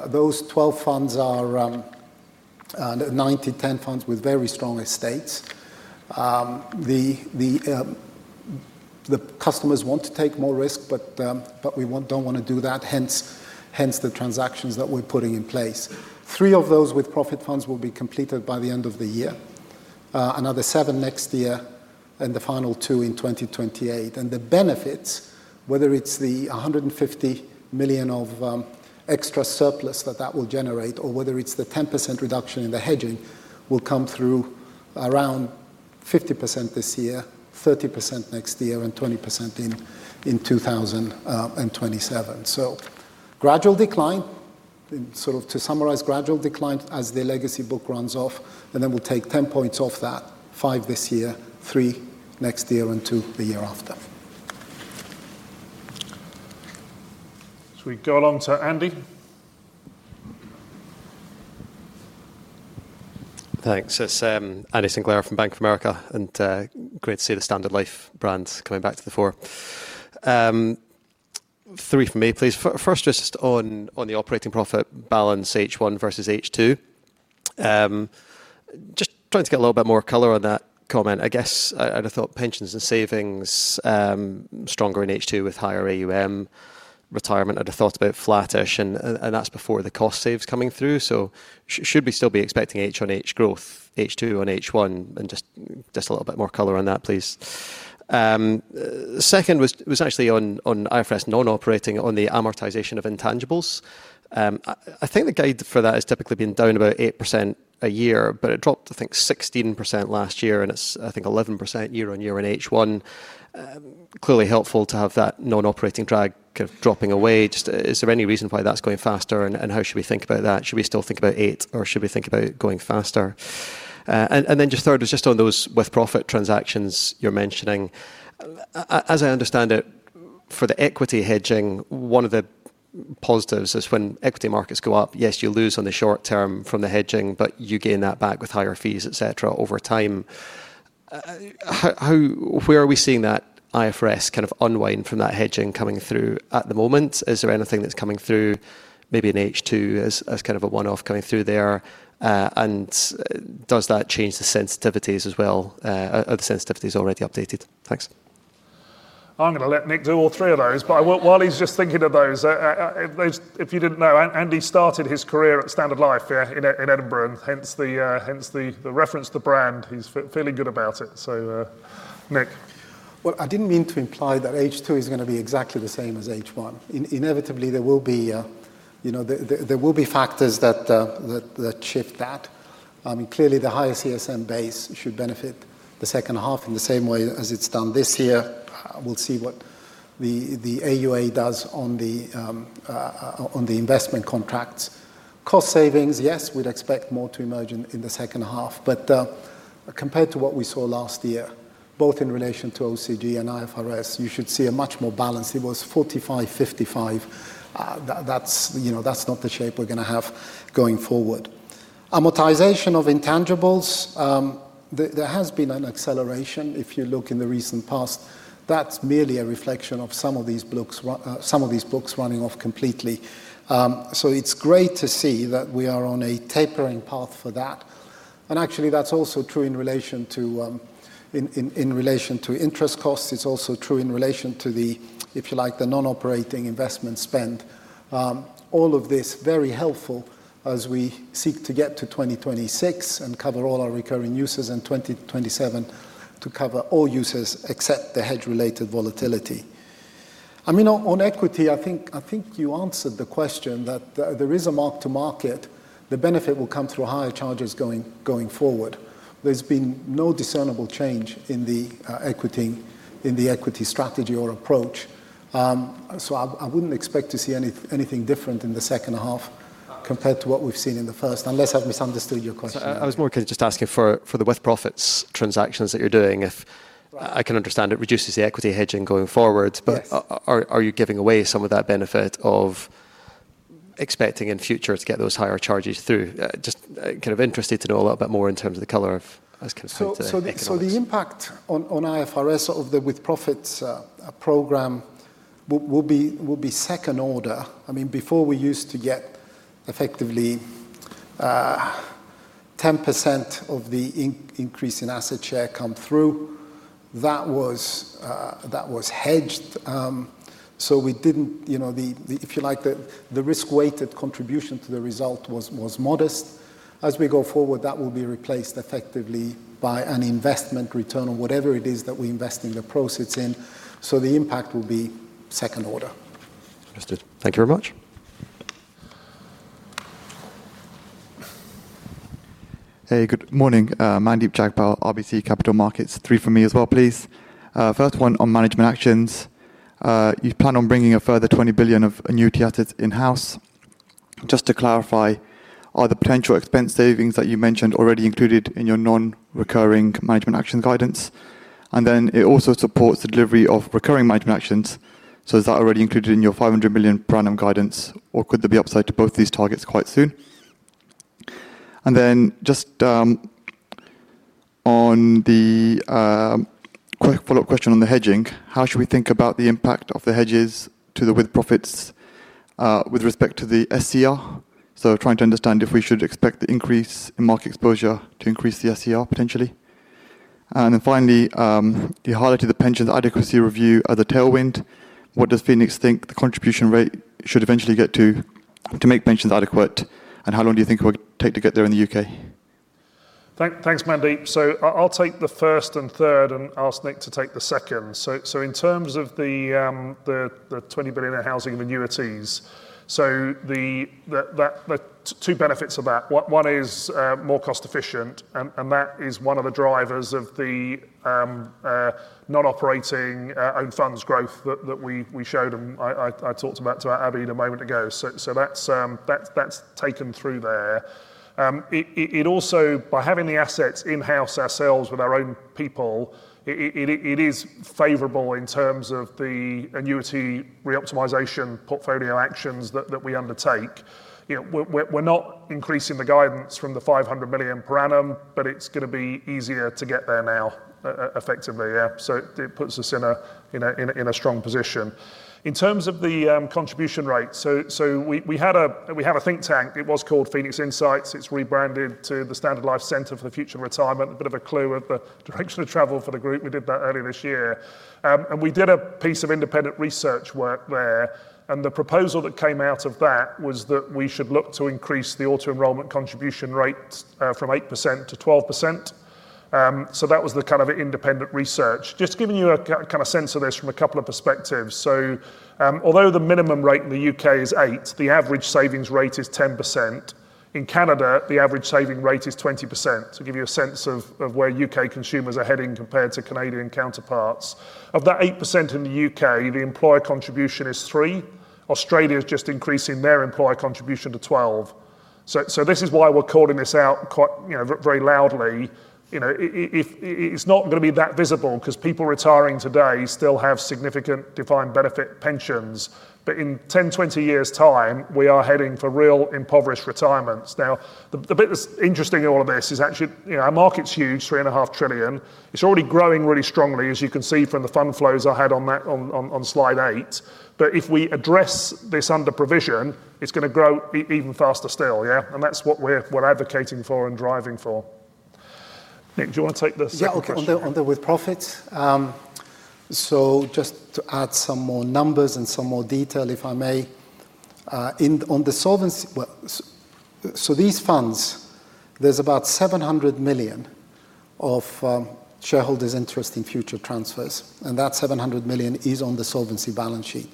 Those 12 funds are 90/10 funds with very strong estates. The customers want to take more risk, but we don't want to do that, hence the transactions that we're putting in place. Three of those with-profit funds will be completed by the end of the year, another seven next year, and the final two in 2028. The benefits, whether it's the 150 million of extra surplus that that will generate, or whether it's the 10% reduction in the hedging, will come through around 50% this year, 30% next year, and 20% in 2027. Gradual decline, sort of to summarize, gradual decline as the legacy book runs off, and then we'll take 10 points off that, five this year, three next year, and two the year after. Shall we go along to Andy? Thanks. This is Andrew Sinclair from Bank of America, and great to see the Standard Life brands coming back to the fore. Three for me, please. First, just on the operating profit balance, H1 versus H2. Just trying to get a little bit more color on that comment, I guess. I'd have thought pensions and savings stronger in H2 with higher AUM. Retirement, I'd have thought a bit flattish, and that's before the cost saves coming through. Should we still be expecting H on H growth, H2 on H1, and just a little bit more color on that, please? Second, it was actually on IFRS non-operating on the amortization of intangibles. I think the guide for that has typically been down about 8% a year, but it dropped, I think, 16% last year, and it's, I think, 11% year on year in H1. Clearly helpful to have that non-operating drag dropping away. Is there any reason why that's going faster, and how should we think about that? Should we still think about it, or should we think about going faster? Third, just on those with-profit transactions you're mentioning, as I understand it, for the equity hedging, one of the positives is when equity markets go up, yes, you lose on the short term from the hedging, but you gain that back with higher fees, etc., over time. Where are we seeing that IFRS kind of unwind from that hedging coming through at the moment? Is there anything that's coming through, maybe in H2 as kind of a one-off coming through there? Does that change the sensitivities as well? Are the sensitivities already updated? Thanks. I'm going to let Nick do all three of those, but while he's just thinking of those, if you didn't know, Andy started his career at Standard Life here in Edinburgh, and hence the reference to the brand. He's feeling good about it. Nick? I didn't mean to imply that H2 is going to be exactly the same as H1. Inevitably, there will be factors that shift that. I mean, clearly the higher CSM base should benefit the second half in the same way as it's done this year. We'll see what the AUA does on the investment contracts. Cost savings, yes, we'd expect more to emerge in the second half, but compared to what we saw last year, both in relation to OCG and IFRS, you should see a much more balanced outcome. It was 45-55. That's not the shape we're going to have going forward. Amortization of intangibles, there has been an acceleration if you look in the recent past. That's merely a reflection of some of these books running off completely. It's great to see that we are on a tapering path for that. Actually, that's also true in relation to interest costs. It's also true in relation to the, if you like, the non-operating investment spend. All of this is very helpful as we seek to get to 2026 and cover all our recurring uses and 2027 to cover all uses except the hedge-related volatility. I mean, on equity, I think you answered the question that there is a mark to market. The benefit will come through higher charges going forward. There's been no discernible change in the equity strategy or approach. I wouldn't expect to see anything different in the second half compared to what we've seen in the first, unless I've misunderstood your question. I was more just asking for the with-profits transactions that you're doing. I can understand it reduces the equity hedging going forward, but are you giving away some of that benefit of expecting in the future to get those higher charges through? I'm just kind of interested to know a little bit more in terms of the color of. The impact on IFRS of the with-profits program will be second order. Before, we used to get effectively 10% of the increase in asset share come through, that was hedged. We didn't, you know, if you like, the risk-weighted contribution to the result was modest. As we go forward, that will be replaced effectively by an investment return or whatever it is that we invest in the process in. The impact will be second order. Understood. Thank you very much. Good morning. Mandeep Jagpal, RBC Capital Markets. Three for me as well, please. First one on management actions. You plan on bringing a further 20 billion of annuity assets in-house. Just to clarify, are the potential expense savings that you mentioned already included in your non-recurring management action guidance? It also supports the delivery of recurring management actions. Is that already included in your 500 million plan and guidance, or could there be upside to both these targets quite soon? On the follow-up question on the hedging, how should we think about the impact of the hedges to the with-profits with respect to the SCR? Trying to understand if we should expect the increase in market exposure to increase the SCR potentially. Finally, you highlighted the pension adequacy review as a tailwind. What does Phoenix think the contribution rate should eventually get to make pensions adequate, and how long do you think it would take to get there in the UK? Thanks, Mandeep. I'll take the first and third and ask Nick to take the second. In terms of the 20 billion in-housing of annuities, the two benefits of that are, one, it is more cost-efficient, and that is one of the drivers of the non-operating owned funds growth that we showed and I talked about to Abid a moment ago. That is taken through there. By having the assets in-house ourselves with our own people, it is favorable in terms of the annuity re-optimization portfolio actions that we undertake. We're not increasing the guidance from the 500 million per annum, but it's going to be easier to get there now, effectively. It puts us in a strong position. In terms of the contribution rate, we have a think tank. It was called Phoenix Insights. It's rebranded to the Standard Life Centre for the Future of Retirement, a bit of a clue at the direction of travel for the group. We did that earlier this year. We did a piece of independent research work there, and the proposal that came out of that was that we should look to increase the auto-enrollment contribution rate from 8% to 12%. That was the kind of independent research. Just giving you a sense of this from a couple of perspectives, although the minimum rate in the U.K. is 8%, the average savings rate is 10%. In Canada, the average saving rate is 20%. To give you a sense of where U.K. consumers are heading compared to Canadian counterparts, of that 8% in the U.K., the employer contribution is 3%. Australia is just increasing their employer contribution to 12%. This is why we're calling this out quite very loudly. It's not going to be that visible because people retiring today still have significant defined benefit pensions. In 10, 20 years' time, we are heading for real impoverished retirements. The bit that's interesting in all of this is actually our market's huge, 3.5 trillion. It's already growing really strongly, as you can see from the fund flows I had on that on slide eight. If we address this under provision, it's going to grow even faster still. That's what we're advocating for and driving for. Nick, do you want to take the second? Yeah, on the with-profits. Just to add some more numbers and some more detail, if I may, on the solvency, these funds, there's about 700 million of shareholders' interest in future transfers, and that 700 million is on the solvency balance sheet.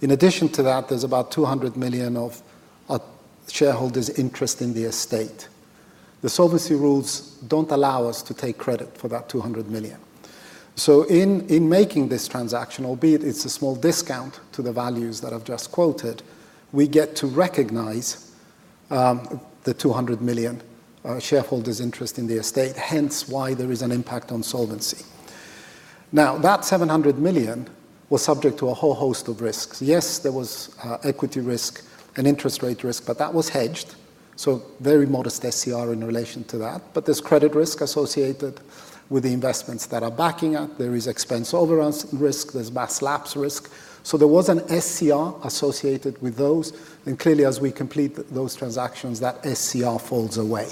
In addition to that, there's about 200 million of shareholders' interest in the estate. The solvency rules don't allow us to take credit for that 200 million. In making this transaction, albeit it's a small discount to the values that I've just quoted, we get to recognize the 200 million shareholders' interest in the estate, hence why there is an impact on solvency. That 700 million was subject to a whole host of risks. Yes, there was equity risk and interest rate risk, but that was hedged. Very modest SCR in relation to that. There's credit risk associated with the investments that are backing it. There is expense overrun risk. There's mass lapse risk. There was an SCR associated with those. Clearly, as we complete those transactions, that SCR falls away.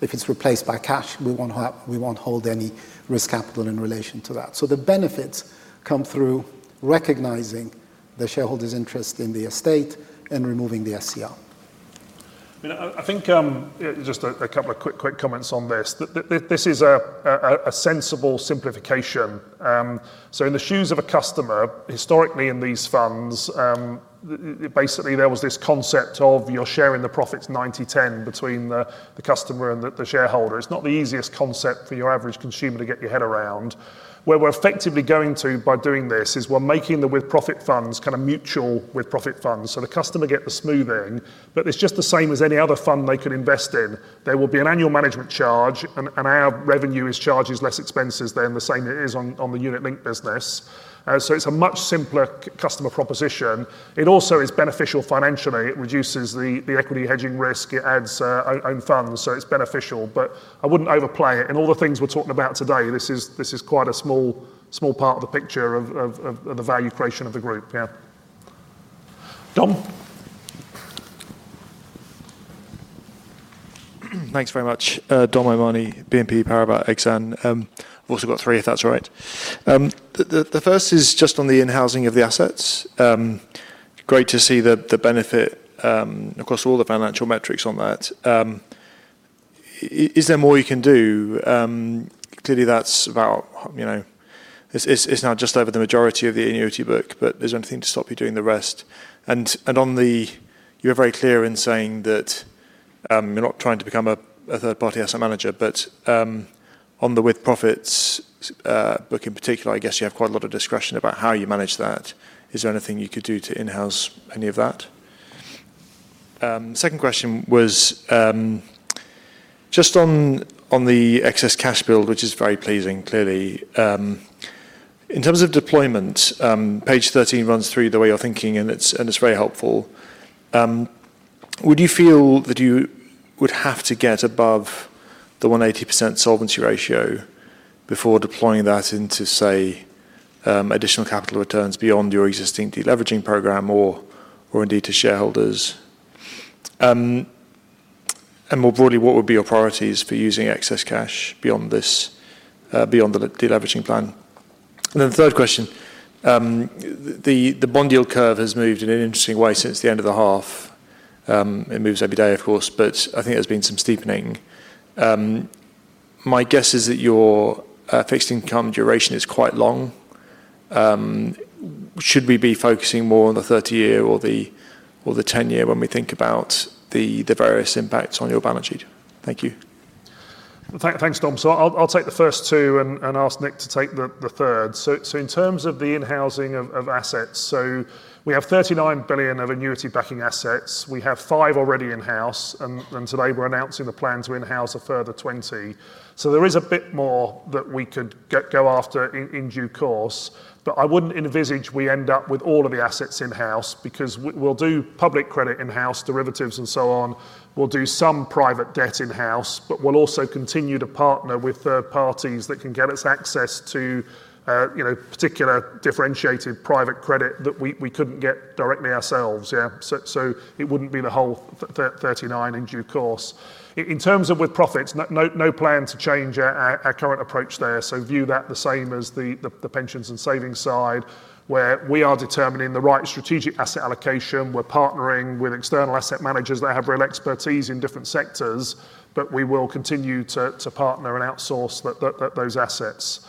If it's replaced by cash, we won't hold any risk capital in relation to that. The benefits come through recognizing the shareholders' interest in the estate and removing the SCR. I think just a couple of quick comments on this. This is a sensible simplification. In the shoes of a customer, historically in these funds, basically there was this concept of you're sharing the profits 90-10 between the customer and the shareholder. It's not the easiest concept for your average consumer to get your head around. Where we're effectively going to by doing this is we're making the with-profit funds kind of mutual with-profit funds. The customer gets the smoothing, but it's just the same as any other fund they could invest in. There will be an annual management charge, and our revenue is charges less expenses than the same it is on the unit-linked business. It's a much simpler customer proposition. It also is beneficial financially. It reduces the equity hedging risk. It adds own funds. It's beneficial. I wouldn't overplay it. Of all the things we're talking about today, this is quite it a small part of the picture of the value creation of the group. Yeah. Dom? Thanks very much. Dominic O'Mahony, BNP Paribas Exane. I've also got three, if that's right. The first is just on the in-housing of the assets. Great to see the benefit across all the financial metrics on that. Is there more you can do? Clearly, that's about, you know, it's now just over the majority of the annuity book, but is there anything to stop you doing the rest? You're very clear in saying that you're not trying to become a third-party asset manager, but on the with-profits book in particular, I guess you have quite a lot of discretion about how you manage that. Is there anything you could do to in-house any of that? Second question was just on the excess cash build, which is very pleasing, clearly. In terms of deployment, page 13 runs through the way you're thinking, and it's very helpful. Would you feel that you would have to get above the 180% solvency ratio before deploying that into, say, additional capital returns beyond your existing deleveraging program or indeed to shareholders? More broadly, what would be your priorities for using excess cash beyond the deleveraging plan? The third question, the bond yield curve has moved in an interesting way since the end of the half. It moves every day, of course, but I think there's been some steepening. My guess is that your fixed income duration is quite long. Should we be focusing more on the 30-year or the 10-year when we think about the various impacts on your balance sheet? Thank you. Thanks, Dom. I'll take the first two and ask Nick to take the third. In terms of the in-housing of assets, we have 39 billion of annuity-backing assets. We have 5 billion already in-house, and today we're announcing the plans to in-house a further 20 billion. There is a bit more that we could go after in due course, but I wouldn't envisage we end up with all of the assets in-house because we'll do public credit in-house, derivatives, and so on. We'll do some private debt in-house, but we'll also continue to partner with third parties that can get us access to particular differentiated private credit that we couldn't get directly ourselves. It wouldn't be the whole 39 billion in due course. In terms of with-profits, there is no plan to change our current approach there. We view that the same as the pensions and savings side, where we are determining the right strategic asset allocation. We're partnering with external asset managers that have real expertise in different sectors, but we will continue to partner and outsource those assets.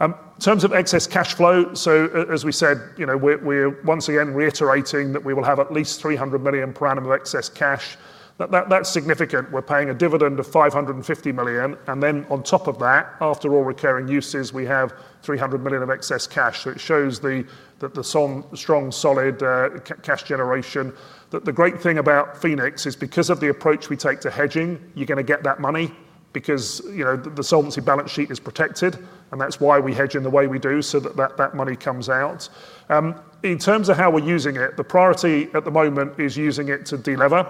In terms of excess cash flow, as we said, we're once again reiterating that we will have at least 300 million per annum of excess cash. That's significant. We're paying a dividend of 550 million, and then on top of that, after all recurring uses, we have 300 million of excess cash. It shows the strong, solid cash generation. The great thing about Phoenix is because of the approach we take to hedging, you're going to get that money because the solvency balance sheet is protected, and that's why we hedge in the way we do so that money comes out. In terms of how we're using it, the priority at the moment is using it to deliver.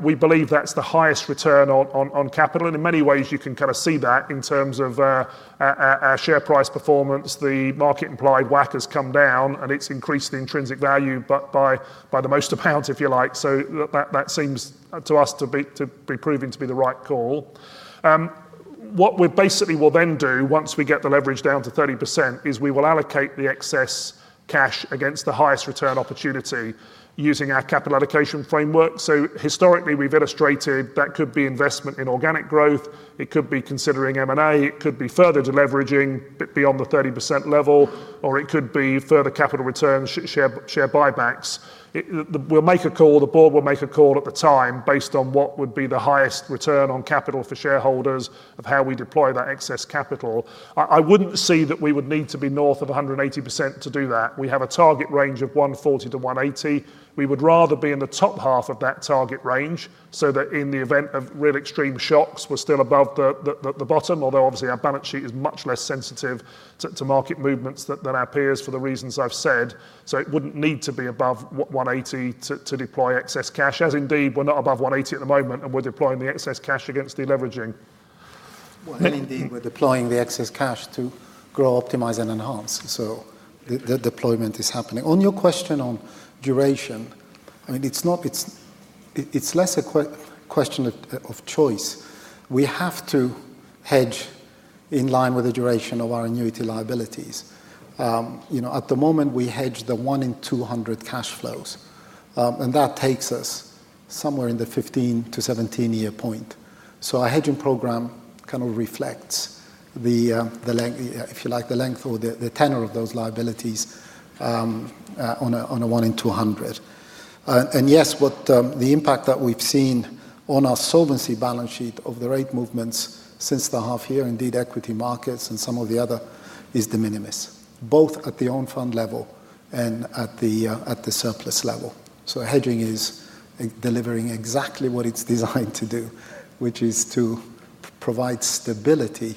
We believe that's the highest return on capital, and in many ways, you can see that in terms of our share price performance. The market-implied WACC has come down, and it's increased the intrinsic value by the most amount, if you like. That seems to us to be proving to be the right call. What we basically will then do once we get the leverage down to 30% is we will allocate the excess cash against the highest return opportunity using our capital allocation framework. Historically, we've illustrated that could be investment in organic growth. It could be considering M&A. It could be further deleveraging beyond the 30% level, or it could be further capital returns, share buybacks. We'll make a call. The board will make a call at the time based on what would be the highest return on capital for shareholders of how we deploy that excess capital. I wouldn't see that we would need to be north of 180% to do that. We have a target range of 140%- 180%. We would rather be in the top half of that target range so that in the event of real extreme shocks, we're still above the bottom, although obviously our balance sheet is much less sensitive to market movements than our peers for the reasons I've said. It wouldn't need to be above 180% to deploy excess cash, as indeed we're not above 180% at the moment, and we're deploying the excess cash against deleveraging. We're deploying the excess cash to grow, optimize, and enhance. The deployment is happening. On your question on duration, it's less a question of choice. We have to hedge in line with the duration of our annuity liabilities. At the moment, we hedge the 1 in 200 cash flows, and that takes us somewhere in the 15-1 7 year point. Our hedging program kind of reflects the length, if you like, the length or the tenor of those liabilities on a 1 in 200. Yes, the impact that we've seen on our solvency balance sheet of the rate movements since the half year, equity markets and some of the other, is de minimis, both at the own fund level and at the surplus level. Hedging is delivering exactly what it's designed to do, which is to provide stability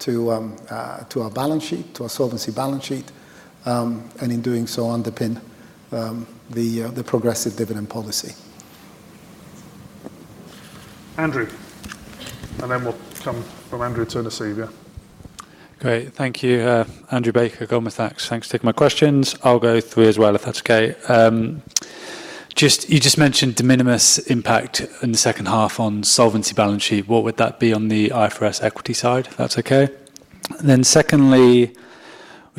to our balance sheet, to our solvency balance sheet, and in doing so, underpin the progressive dividend policy. Andrew, we'll come from Andrew to Anusiv. Great. Thank you, Andrew Baker, Goldman Sachs. Thanks for taking my questions. I'll go through as well, if that's okay. You just mentioned de minimis impact in the second half on solvency balance sheet. What would that be on the IFRS equity side? That's okay. Secondly,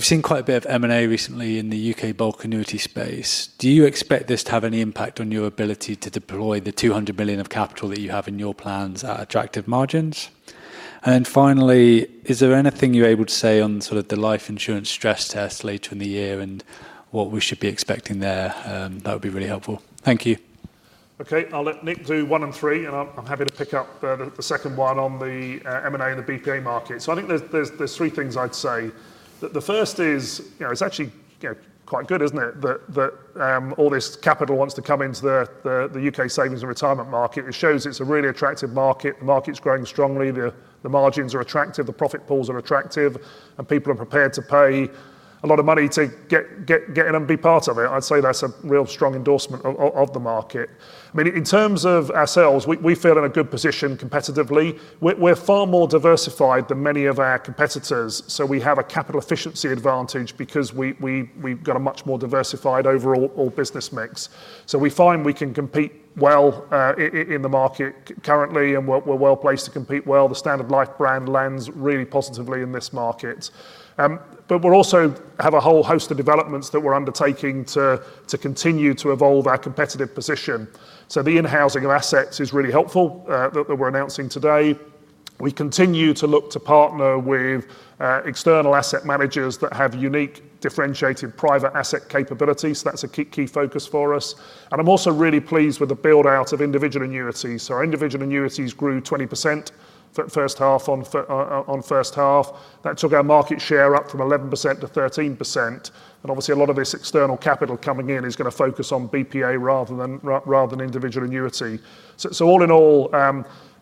we've seen quite a bit of M&A recently in the UK bulk annuity space. Do you expect this to have any impact on your ability to deploy the £200 million of capital that you have in your plans at attractive margins? Finally, is there anything you're able to say on sort of the life insurance stress test later in the year and what we should be expecting there? That would be really helpful. Thank you. Okay. I'll let Nick do one and three, and I'm happy to pick up the second one on the M&A in the BPA market. I think there's three things I'd say. The first is, you know, it's actually quite good, isn't it? That all this capital wants to come into the UK savings and retirement market. It shows it's a really attractive market. The market's growing strongly. The margins are attractive. The profit pools are attractive, and people are prepared to pay a lot of money to get in and be part of it. I'd say that's a real strong endorsement of the market. I mean, in terms of ourselves, we feel in a good position competitively. We're far more diversified than many of our competitors. We have a capital efficiency advantage because we've got a much more diversified overall business mix. We find we can compete well in the market currently, and we're well placed to compete well. The Standard Life brand lands really positively in this market. We also have a whole host of developments that we're undertaking to continue to evolve our competitive position. The in-housing of assets is really helpful that we're announcing today. We continue to look to partner with external asset managers that have unique differentiated private asset capabilities. That's a key focus for us. I'm also really pleased with the build-out of individual annuities. Our individual annuities grew 20% for the first half on first half. That took our market share up from 11%-1 3%. Obviously, a lot of this external capital coming in is going to focus on BPA rather than individual annuity. All in all,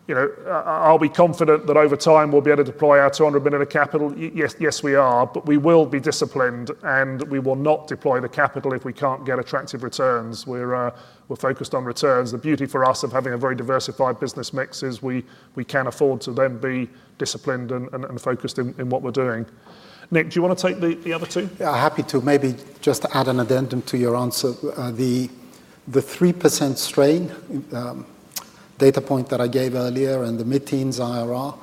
you know, I'll be confident that over time we'll be able to deploy our 200 million of capital. Yes, we are, but we will be disciplined, and we will not deploy the capital if we can't get attractive returns. We're focused on returns. The beauty for us of having a very diversified business mix is we can afford to then be disciplined and focused in what we're doing. Nick, do you want to take the other two? Yeah, happy to. Maybe just to add an addendum to your answer, the 3% strain data point that I gave earlier and the mid-teens IRR,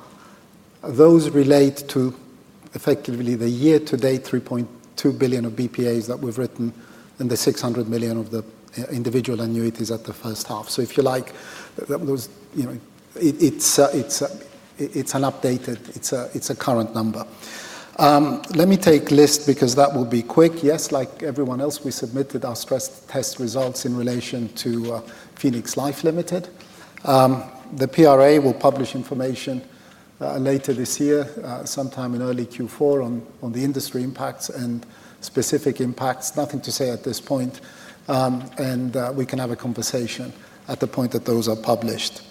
those relate to effectively the year-to-date 3.2 billion of BPAs that we've written and the 600 million of the individual annuities at the first half. If you like, it's an updated, it's a current number. Let me take list because that will be quick. Yes, like everyone else, we submitted our stress test results in relation to Phoenix Life Limited. The PRA will publish information later this year, sometime in early Q4 on the industry impacts and specific impacts. Nothing to say at this point. We can have a conversation at the point that those are published.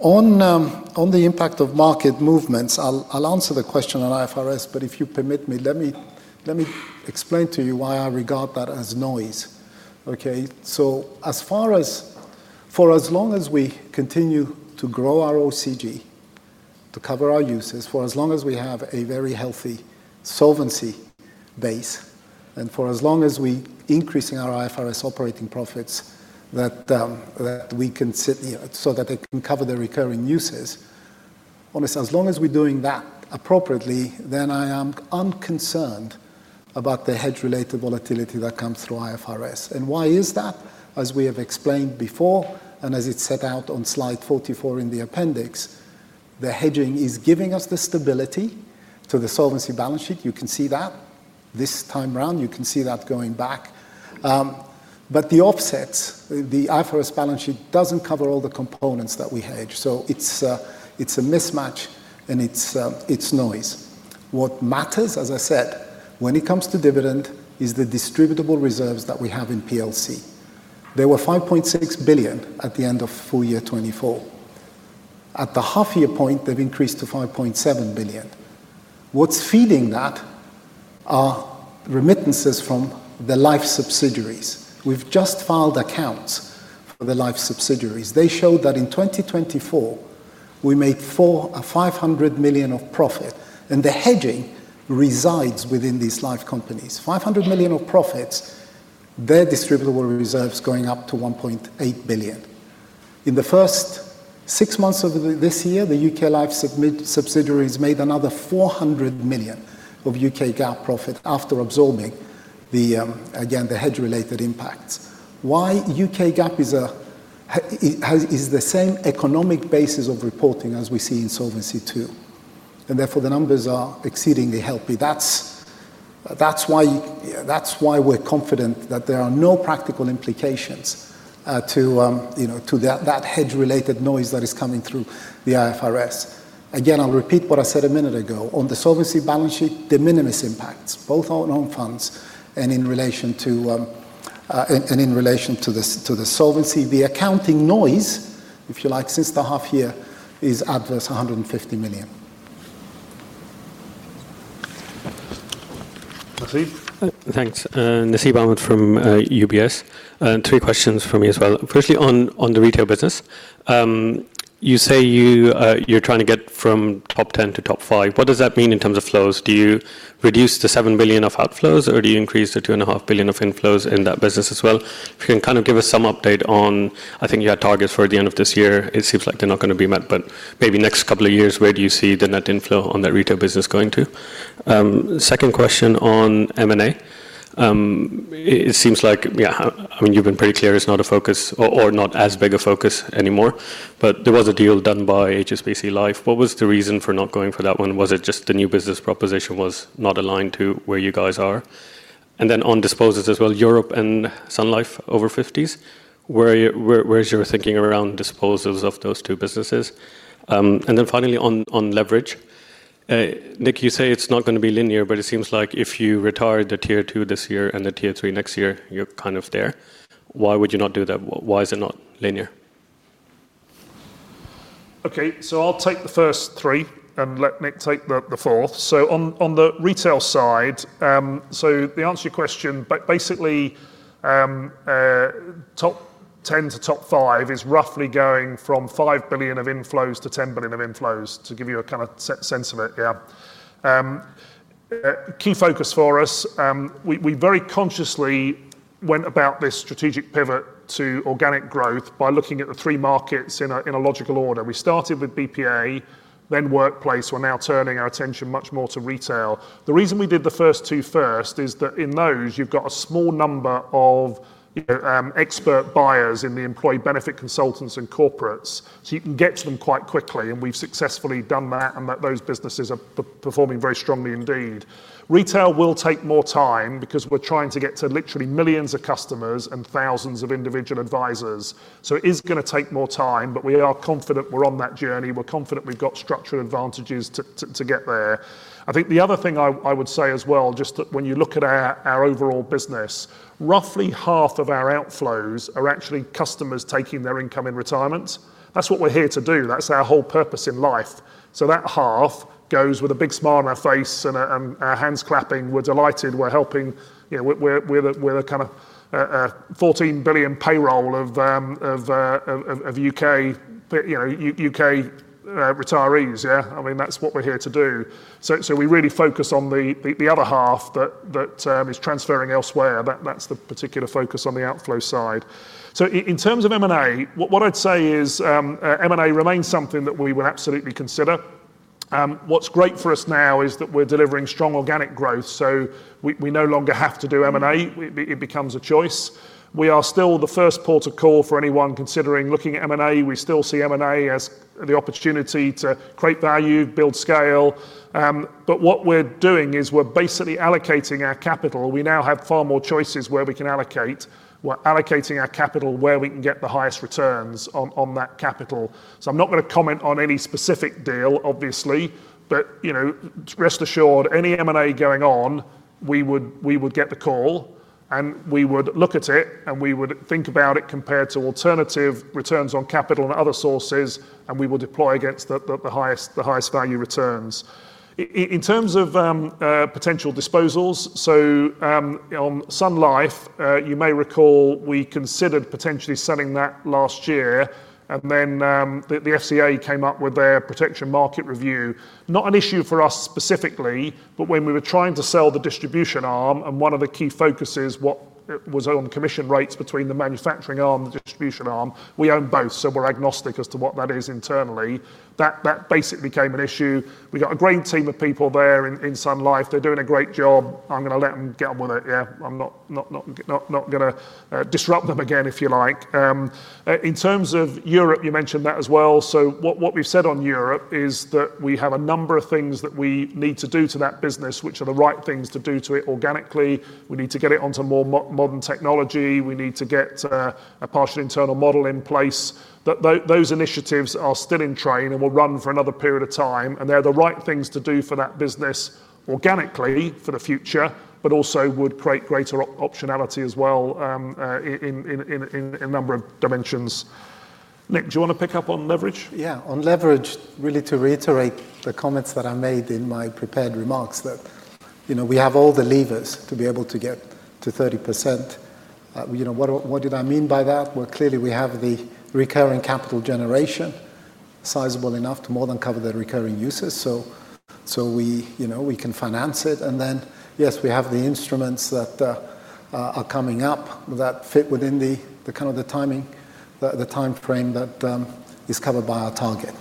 On the impact of market movements, I'll answer the question on IFRS, but if you permit me, let me explain to you why I regard that as noise. As far as for as long as we continue to grow our OCG to cover our uses, for as long as we have a very healthy solvency base, and for as long as we increase our IFRS-adjusted operating profits, that we can sit here so that they can cover the recurring uses. As long as we're doing that appropriately, then I am unconcerned about the hedge-related volatility that comes through IFRS. Why is that? As we have explained before, and as it's set out on slide 44 in the appendix, the hedging is giving us the stability to the solvency balance sheet. You can see that this time around, you can see that going back. The offsets, the IFRS balance sheet doesn't cover all the components that we hedge. It's a mismatch, and it's noise. What matters, as I said, when it comes to dividend, is the distributable reserves that we have in PLC. They were 5.6 billion at the end of full year 2024. At the half-year point, they've increased to 5.7 billion. What's feeding that are remittances from the life subsidiaries. We've just filed accounts for the life subsidiaries. They show that in 2024, we made 500 million of profit, and the hedging resides within these life companies. 500 million of profits, their distributable reserves going up to 1.8 billion. In the first six months of this year, the UK life subsidiaries made another 400 million of UK GAAP profit after absorbing the, again, the hedge-related impacts. UK GAAP is the same economic basis of reporting as we see in Solvency II. Therefore, the numbers are exceedingly healthy. That's why we're confident that there are no practical implications to that hedge-related noise that is coming through the IFRS. I'll repeat what I said a minute ago. On the solvency balance sheet, de minimis impacts, both on own funds and in relation to the solvency, the accounting noise, if you like, since the half-year is adverse GBP 150 million. Thanks. Nasib Ahmed from UBS. Three questions from me as well. Firstly, on the retail business, you say you're trying to get from top 10 to top 5. What does that mean in terms of flows? Do you reduce the 7 billion of outflows or do you increase the 2.5 billion of inflows in that business as well? If you can kind of give us some update on, I think you had targets for the end of this year. It seems like they're not going to be met, but maybe next couple of years, where do you see the net inflow on that retail business going to? Second question on M&A. It seems like you've been pretty clear it's not a focus or not as big a focus anymore, but there was a deal done by HSBC Life. What was the reason for not going for that one? Was it just the new business proposition was not aligned to where you guys are? On disposals as well, Europe and SunLife over 50s. Where's your thinking around disposals of those two businesses? Finally, on leverage. Nick, you say it's not going to be linear, but it seems like if you retire the Tier 2 this year and the Tier 3 next year, you're kind of there. Why would you not do that? Why is it not linear? Okay, so I'll take the first three and let Nick take the fourth. On the retail side, to answer your question, basically top 10 to top 5 is roughly going from 5 billion of inflows to 10 billion of inflows to give you a kind of sense of it. Key focus for us, we very consciously went about this strategic pivot to organic growth by looking at the three markets in a logical order. We started with bulk purchase annuities (BPAs), then workplace. We're now turning our attention much more to retail. The reason we did the first two first is that in those, you've got a small number of expert buyers in the employee benefit consultants and corporates. You can get to them quite quickly. We've successfully done that and those businesses are performing very strongly indeed. Retail will take more time because we're trying to get to literally millions of customers and thousands of individual advisors. It is going to take more time, but we are confident we're on that journey. We're confident we've got structural advantages to get there. I think the other thing I would say as well, just that when you look at our overall business, roughly half of our outflows are actually customers taking their income in retirement. That's what we're here to do. That's our whole purpose in life. That half goes with a big smile on our face and our hands clapping. We're delighted. We're helping, you know, we're a kind of a 14 billion payroll of U.K. retirees. That's what we're here to do. We really focus on the other half that is transferring elsewhere. That's the particular focus on the outflow side. In terms of M&A, what I'd say is M&A remains something that we will absolutely consider. What's great for us now is that we're delivering strong organic growth. We no longer have to do M&A. It becomes a choice. We are still the first port of call for anyone considering looking at M&A. We still see M&A as the opportunity to create value, build scale. What we're doing is we're basically allocating our capital. We now have far more choices where we can allocate. We're allocating our capital where we can get the highest returns on that capital. I'm not going to comment on any specific deal, obviously, but rest assured, any M&A going on, we would get the call and we would look at it and we would think about it compared to alternative returns on capital and other sources, and we will deploy against the highest value returns. In terms of potential disposals, on SunLife, you may recall we considered potentially selling that last year, and then the FCA came up with their protection market review. Not an issue for us specifically, but when we were trying to sell the distribution arm, and one of the key focuses was on commission rates between the manufacturing arm and the distribution arm, we own both, so we're agnostic as to what that is internally. That basically became an issue. We have a great team of people there in SunLife. They're doing a great job. I'm going to let them get on with it. I'm not going to disrupt them again, if you like. In terms of Europe, you mentioned that as well. What we've said on Europe is that we have a number of things that we need to do to that business, which are the right things to do to it organically. We need to get it onto more modern technology. We need to get a partial internal model in place. Those initiatives are still in train and will run for another period of time, and they're the right things to do for that business organically for the future, but also would create greater optionality as well in a number of dimensions. Nick, do you want to pick up on leverage? Yeah, on leverage, really to reiterate the comments that I made in my prepared remarks, you know, we have all the levers to be able to get to 30%. You know, what did I mean by that? Clearly, we have the recurring capital generation sizable enough to more than cover the recurring uses, so we, you know, we can finance it. Yes, we have the instruments that are coming up that fit within the kind of the timing, the timeframe that is covered by our target.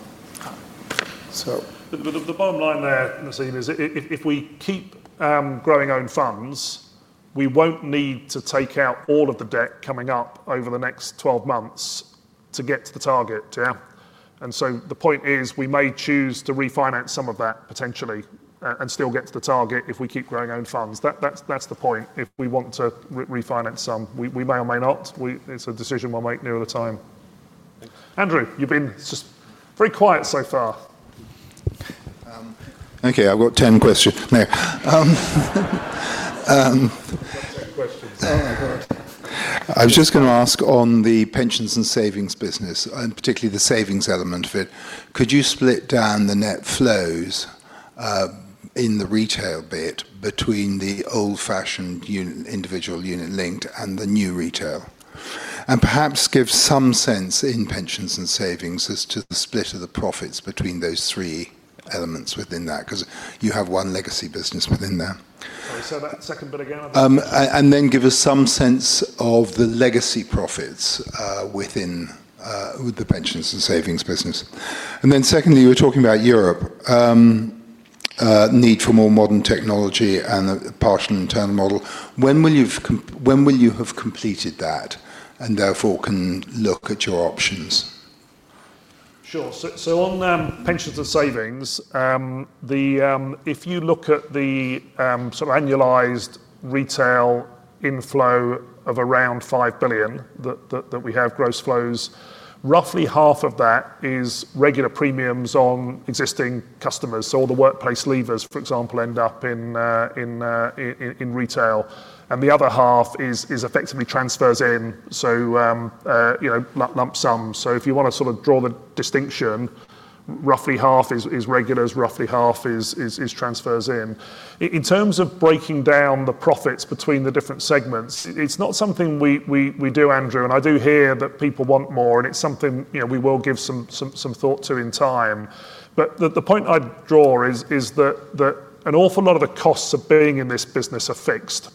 The bottom line there, Nasib, is if we keep growing own funds, we won't need to take out all of the debt coming up over the next 12 months to get to the target. The point is we may choose to refinance some of that potentially and still get to the target if we keep growing own funds. That's the point. If we want to refinance some, we may or may not. It's a decision we'll make near the time. Andrew, you've been pretty quiet so far. Okay, I've got 10 questions now. Oh my God. I was just going to ask on the pensions and savings business, and particularly the savings element of it. Could you split down the net flows in the retail bit between the old-fashioned individual unit linked and the new retail? Perhaps give some sense in pensions and savings as to the split of the profits between those three elements within that, because you have one legacy business within that. Give us some sense of the legacy profits within the pensions and savings business. Secondly, you were talking about Europe, need for more modern technology and a partial internal model. When will you have completed that and therefore can look at your options? Sure. On pensions and savings, if you look at the sort of annualized retail inflow of around 5 billion that we have gross flows, roughly half of that is regular premiums on existing customers. All the workplace levers, for example, end up in retail. The other half is effectively transfers in, so you know, lump sums. If you want to sort of draw the distinction, roughly half is regulars, roughly half is transfers in. In terms of breaking down the profits between the different segments, it's not something we do, Andreas, and I do hear that people want more, and it's something we will give some thought to in time. The point I draw is that an awful lot of the costs of being in this business are fixed.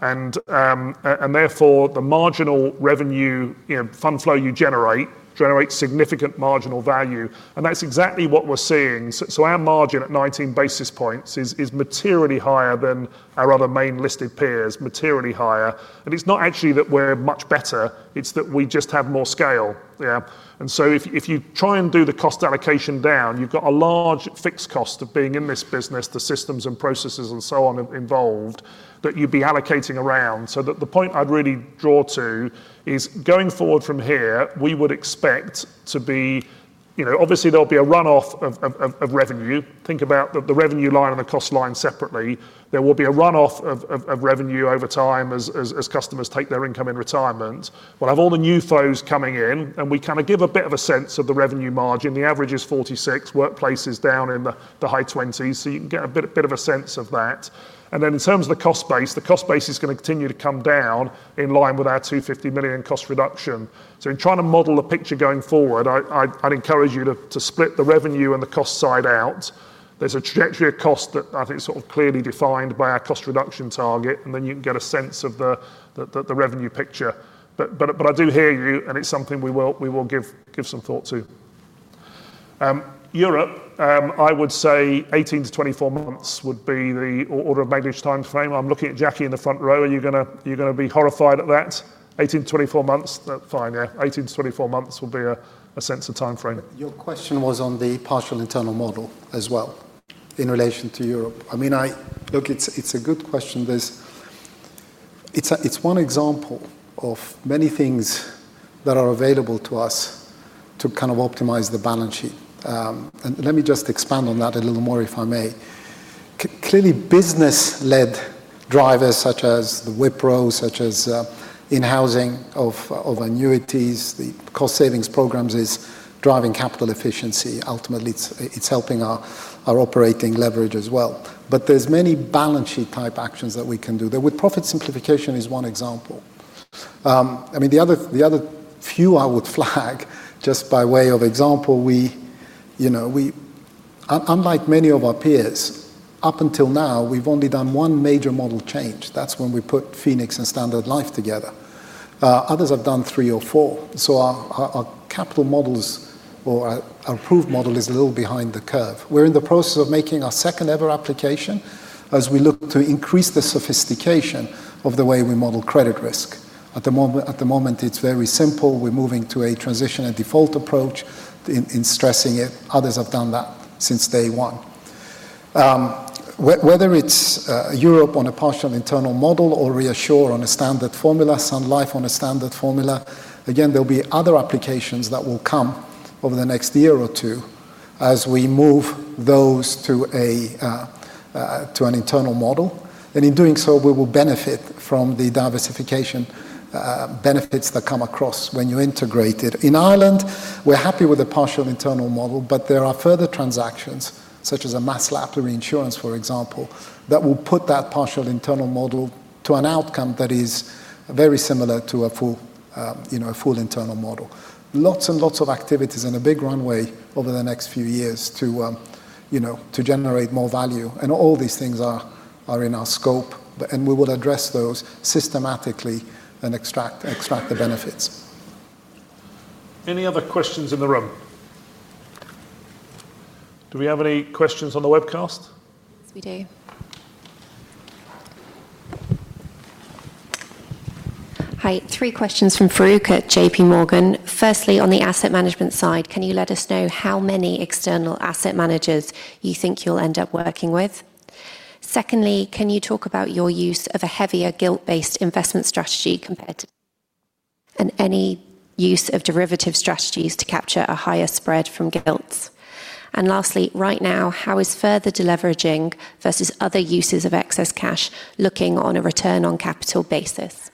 Therefore, the marginal revenue fund flow you generate generates significant marginal value. That's exactly what we're seeing. Our margin at 19 basis points is materially higher than our other main listed peers, materially higher. It's not actually that we're much better. It's that we just have more scale. If you try and do the cost allocation down, you've got a large fixed cost of being in this business, the systems and processes and so on involved that you'd be allocating around. The point I'd really draw to is going forward from here, we would expect to be, you know, obviously there'll be a runoff of revenue. Think about the revenue line and the cost line separately. There will be a runoff of revenue over time as customers take their income in retirement. We'll have all the new flows coming in, and we kind of give a bit of a sense of the revenue margin. The average is 46. Workplace is down in the high 20s. You can get a bit of a sense of that. In terms of the cost base, the cost base is going to continue to come down in line with our 250 million cost reduction. In trying to model the picture going forward, I'd encourage you to split the revenue and the cost side out. There's a trajectory of cost that I think is sort of clearly defined by our cost reduction target. Then you can get a sense of the revenue picture. I do hear you, and it's something we will give some thought to. Europe, I would say 18- 24 months would be the order of magnitude time frame. I'm looking at Jackie in the front row. Are you going to be horrified at that? 18- 24 months, that's fine. 18- 24 months will be a sense of time frame. Your question was on the partial internal model as well in relation to Europe. I mean, look, it's a good question. It's one example of many things that are available to us to kind of optimize the balance sheet. Let me just expand on that a little more if I may. Clearly, business-led drivers such as the Wipro, such as in-housing of annuities, the cost savings programs, is driving capital efficiency. Ultimately, it's helping our operating leverage as well. There are many balance sheet type actions that we can do. The profit simplification is one example. The other few I would flag just by way of example, we, you know, unlike many of our peers, up until now, we've only done one major model change. That's when we put Phoenix and Standard Life together. Others have done three or four. Our capital models, or our approved model, is a little behind the curve. We're in the process of making our second ever application as we look to increase the sophistication of the way we model credit risk. At the moment, it's very simple. We're moving to a transition and default approach in stressing it. Others have done that since day one. Whether it's Europe on a partial internal model or ReAssure on a standard formula, SunLife on a standard formula, there will be other applications that will come over the next year or two as we move those to an internal model. In doing so, we will benefit from the diversification benefits that come across when you integrate it. In Ireland, we're happy with a partial internal model, but there are further transactions such as a mass lapse reinsurance, for example, that will put that partial internal model to an outcome that is very similar to a full internal model. Lots and lots of activities and a big runway over the next few years to generate more value. All these things are in our scope, and we will address those systematically and extract the benefits. Any other questions in the room? Do we have any questions on the webcast? Hi, three questions from Farooq at JPMorgan. Firstly, on the asset management side, can you let us know how many external asset managers you think you'll end up working with? Secondly, can you talk about your use of a heavier gilt-based investment strategy compared to any use of derivative strategies to capture a higher spread from gilts? Lastly, right now, how is further deleveraging versus other uses of excess cash looking on a return on capital basis?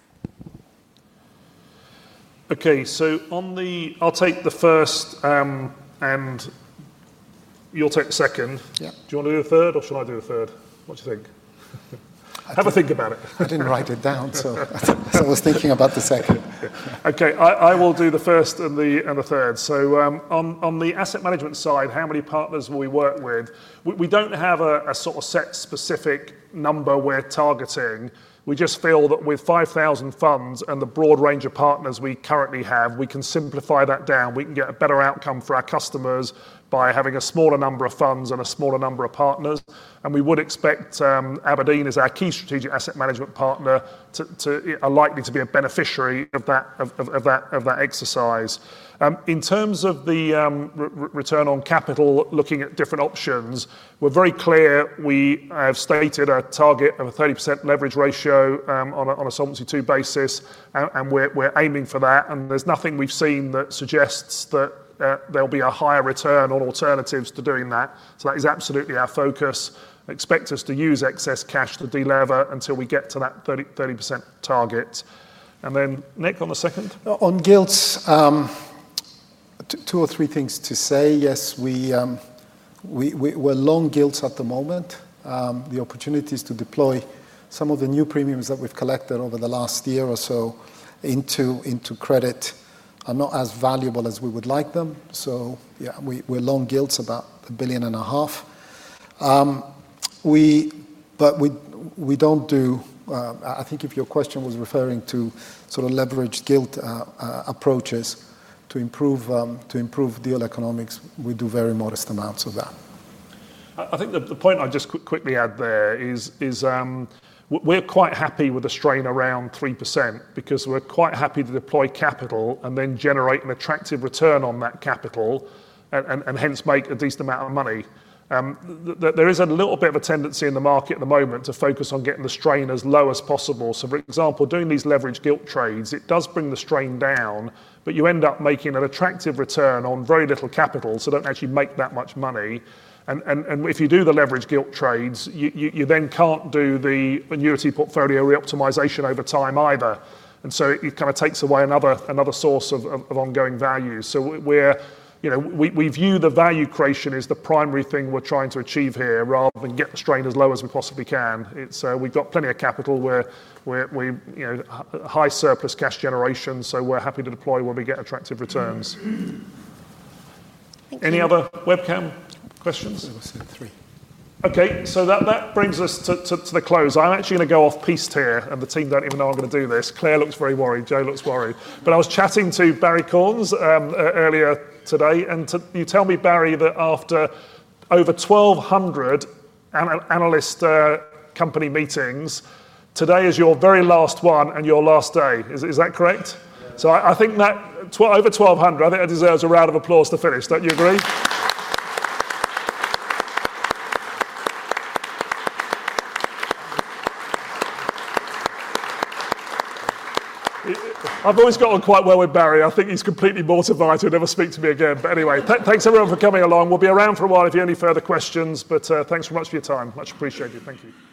Okay, on the, I'll take the first and you'll take the second. Do you want to do a third or should I do a third? What do you think? Have a think about it. I didn't write it down, so I was thinking about the second. Okay, I will do the first and the third. On the asset management side, how many partners will we work with? We don't have a sort of set specific number we're targeting. We just feel that with 5,000 funds and the broad range of partners we currently have, we can simplify that down. We can get a better outcome for our customers by having a smaller number of funds and a smaller number of partners. We would expect Aberdeen as our key strategic asset management partner to likely be a beneficiary of that exercise. In terms of the return on capital, looking at different options, we're very clear. We have stated a target of a 30% leverage ratio on a solvency two basis, and we're aiming for that. There's nothing we've seen that suggests that there'll be a higher return on alternatives to doing that. That is absolutely our focus. Expect us to use excess cash to delever until we get to that 30% target. Then Nick on the second. On gilts, two or three things to say. Yes, we're long gilts at the moment. The opportunities to deploy some of the new premiums that we've collected over the last year or so into credit are not as valuable as we would like them. We're long gilts about 1.5 billion. If your question was referring to sort of leverage gilt approaches to improve deal economics, we do very modest amounts of that. I think the point I just quickly add there is we're quite happy with a strain around 3% because we're quite happy to deploy capital and then generate an attractive return on that capital and hence make a decent amount of money. There is a little bit of a tendency in the market at the moment to focus on getting the strain as low as possible. For example, doing these leverage gilt trades, it does bring the strain down, but you end up making an attractive return on very little capital, so don't actually make that much money. If you do the leverage gilt trades, you then can't do the annuity portfolio reoptimization over time either. It kind of takes away another source of ongoing value. We view the value creation as the primary thing we're trying to achieve here rather than get the strain as low as we possibly can. We've got plenty of capital. We're a high surplus cash generation, so we're happy to deploy when we get attractive returns. Any other webcam questions? I think we've said three. Okay, so that brings us to the close. I'm actually going to go off piste here, and the team don't even know I'm going to do this. Claire looks very worried. Joe looks worried. I was chatting to Barry Corns earlier today, and you tell me, Barry, that after over 1,200 analyst company meetings, today is your very last one and your last day. Is that correct? I think that over 1,200, I think it deserves a round of applause to finish. Don't you agree? I've always got on quite well with Barry. I think he's completely mortified. He'll never speak to me again. Anyway, thanks everyone for coming along. We'll be around for a while if you have any further questions, but thanks very much for your time. Much appreciated. Thank you.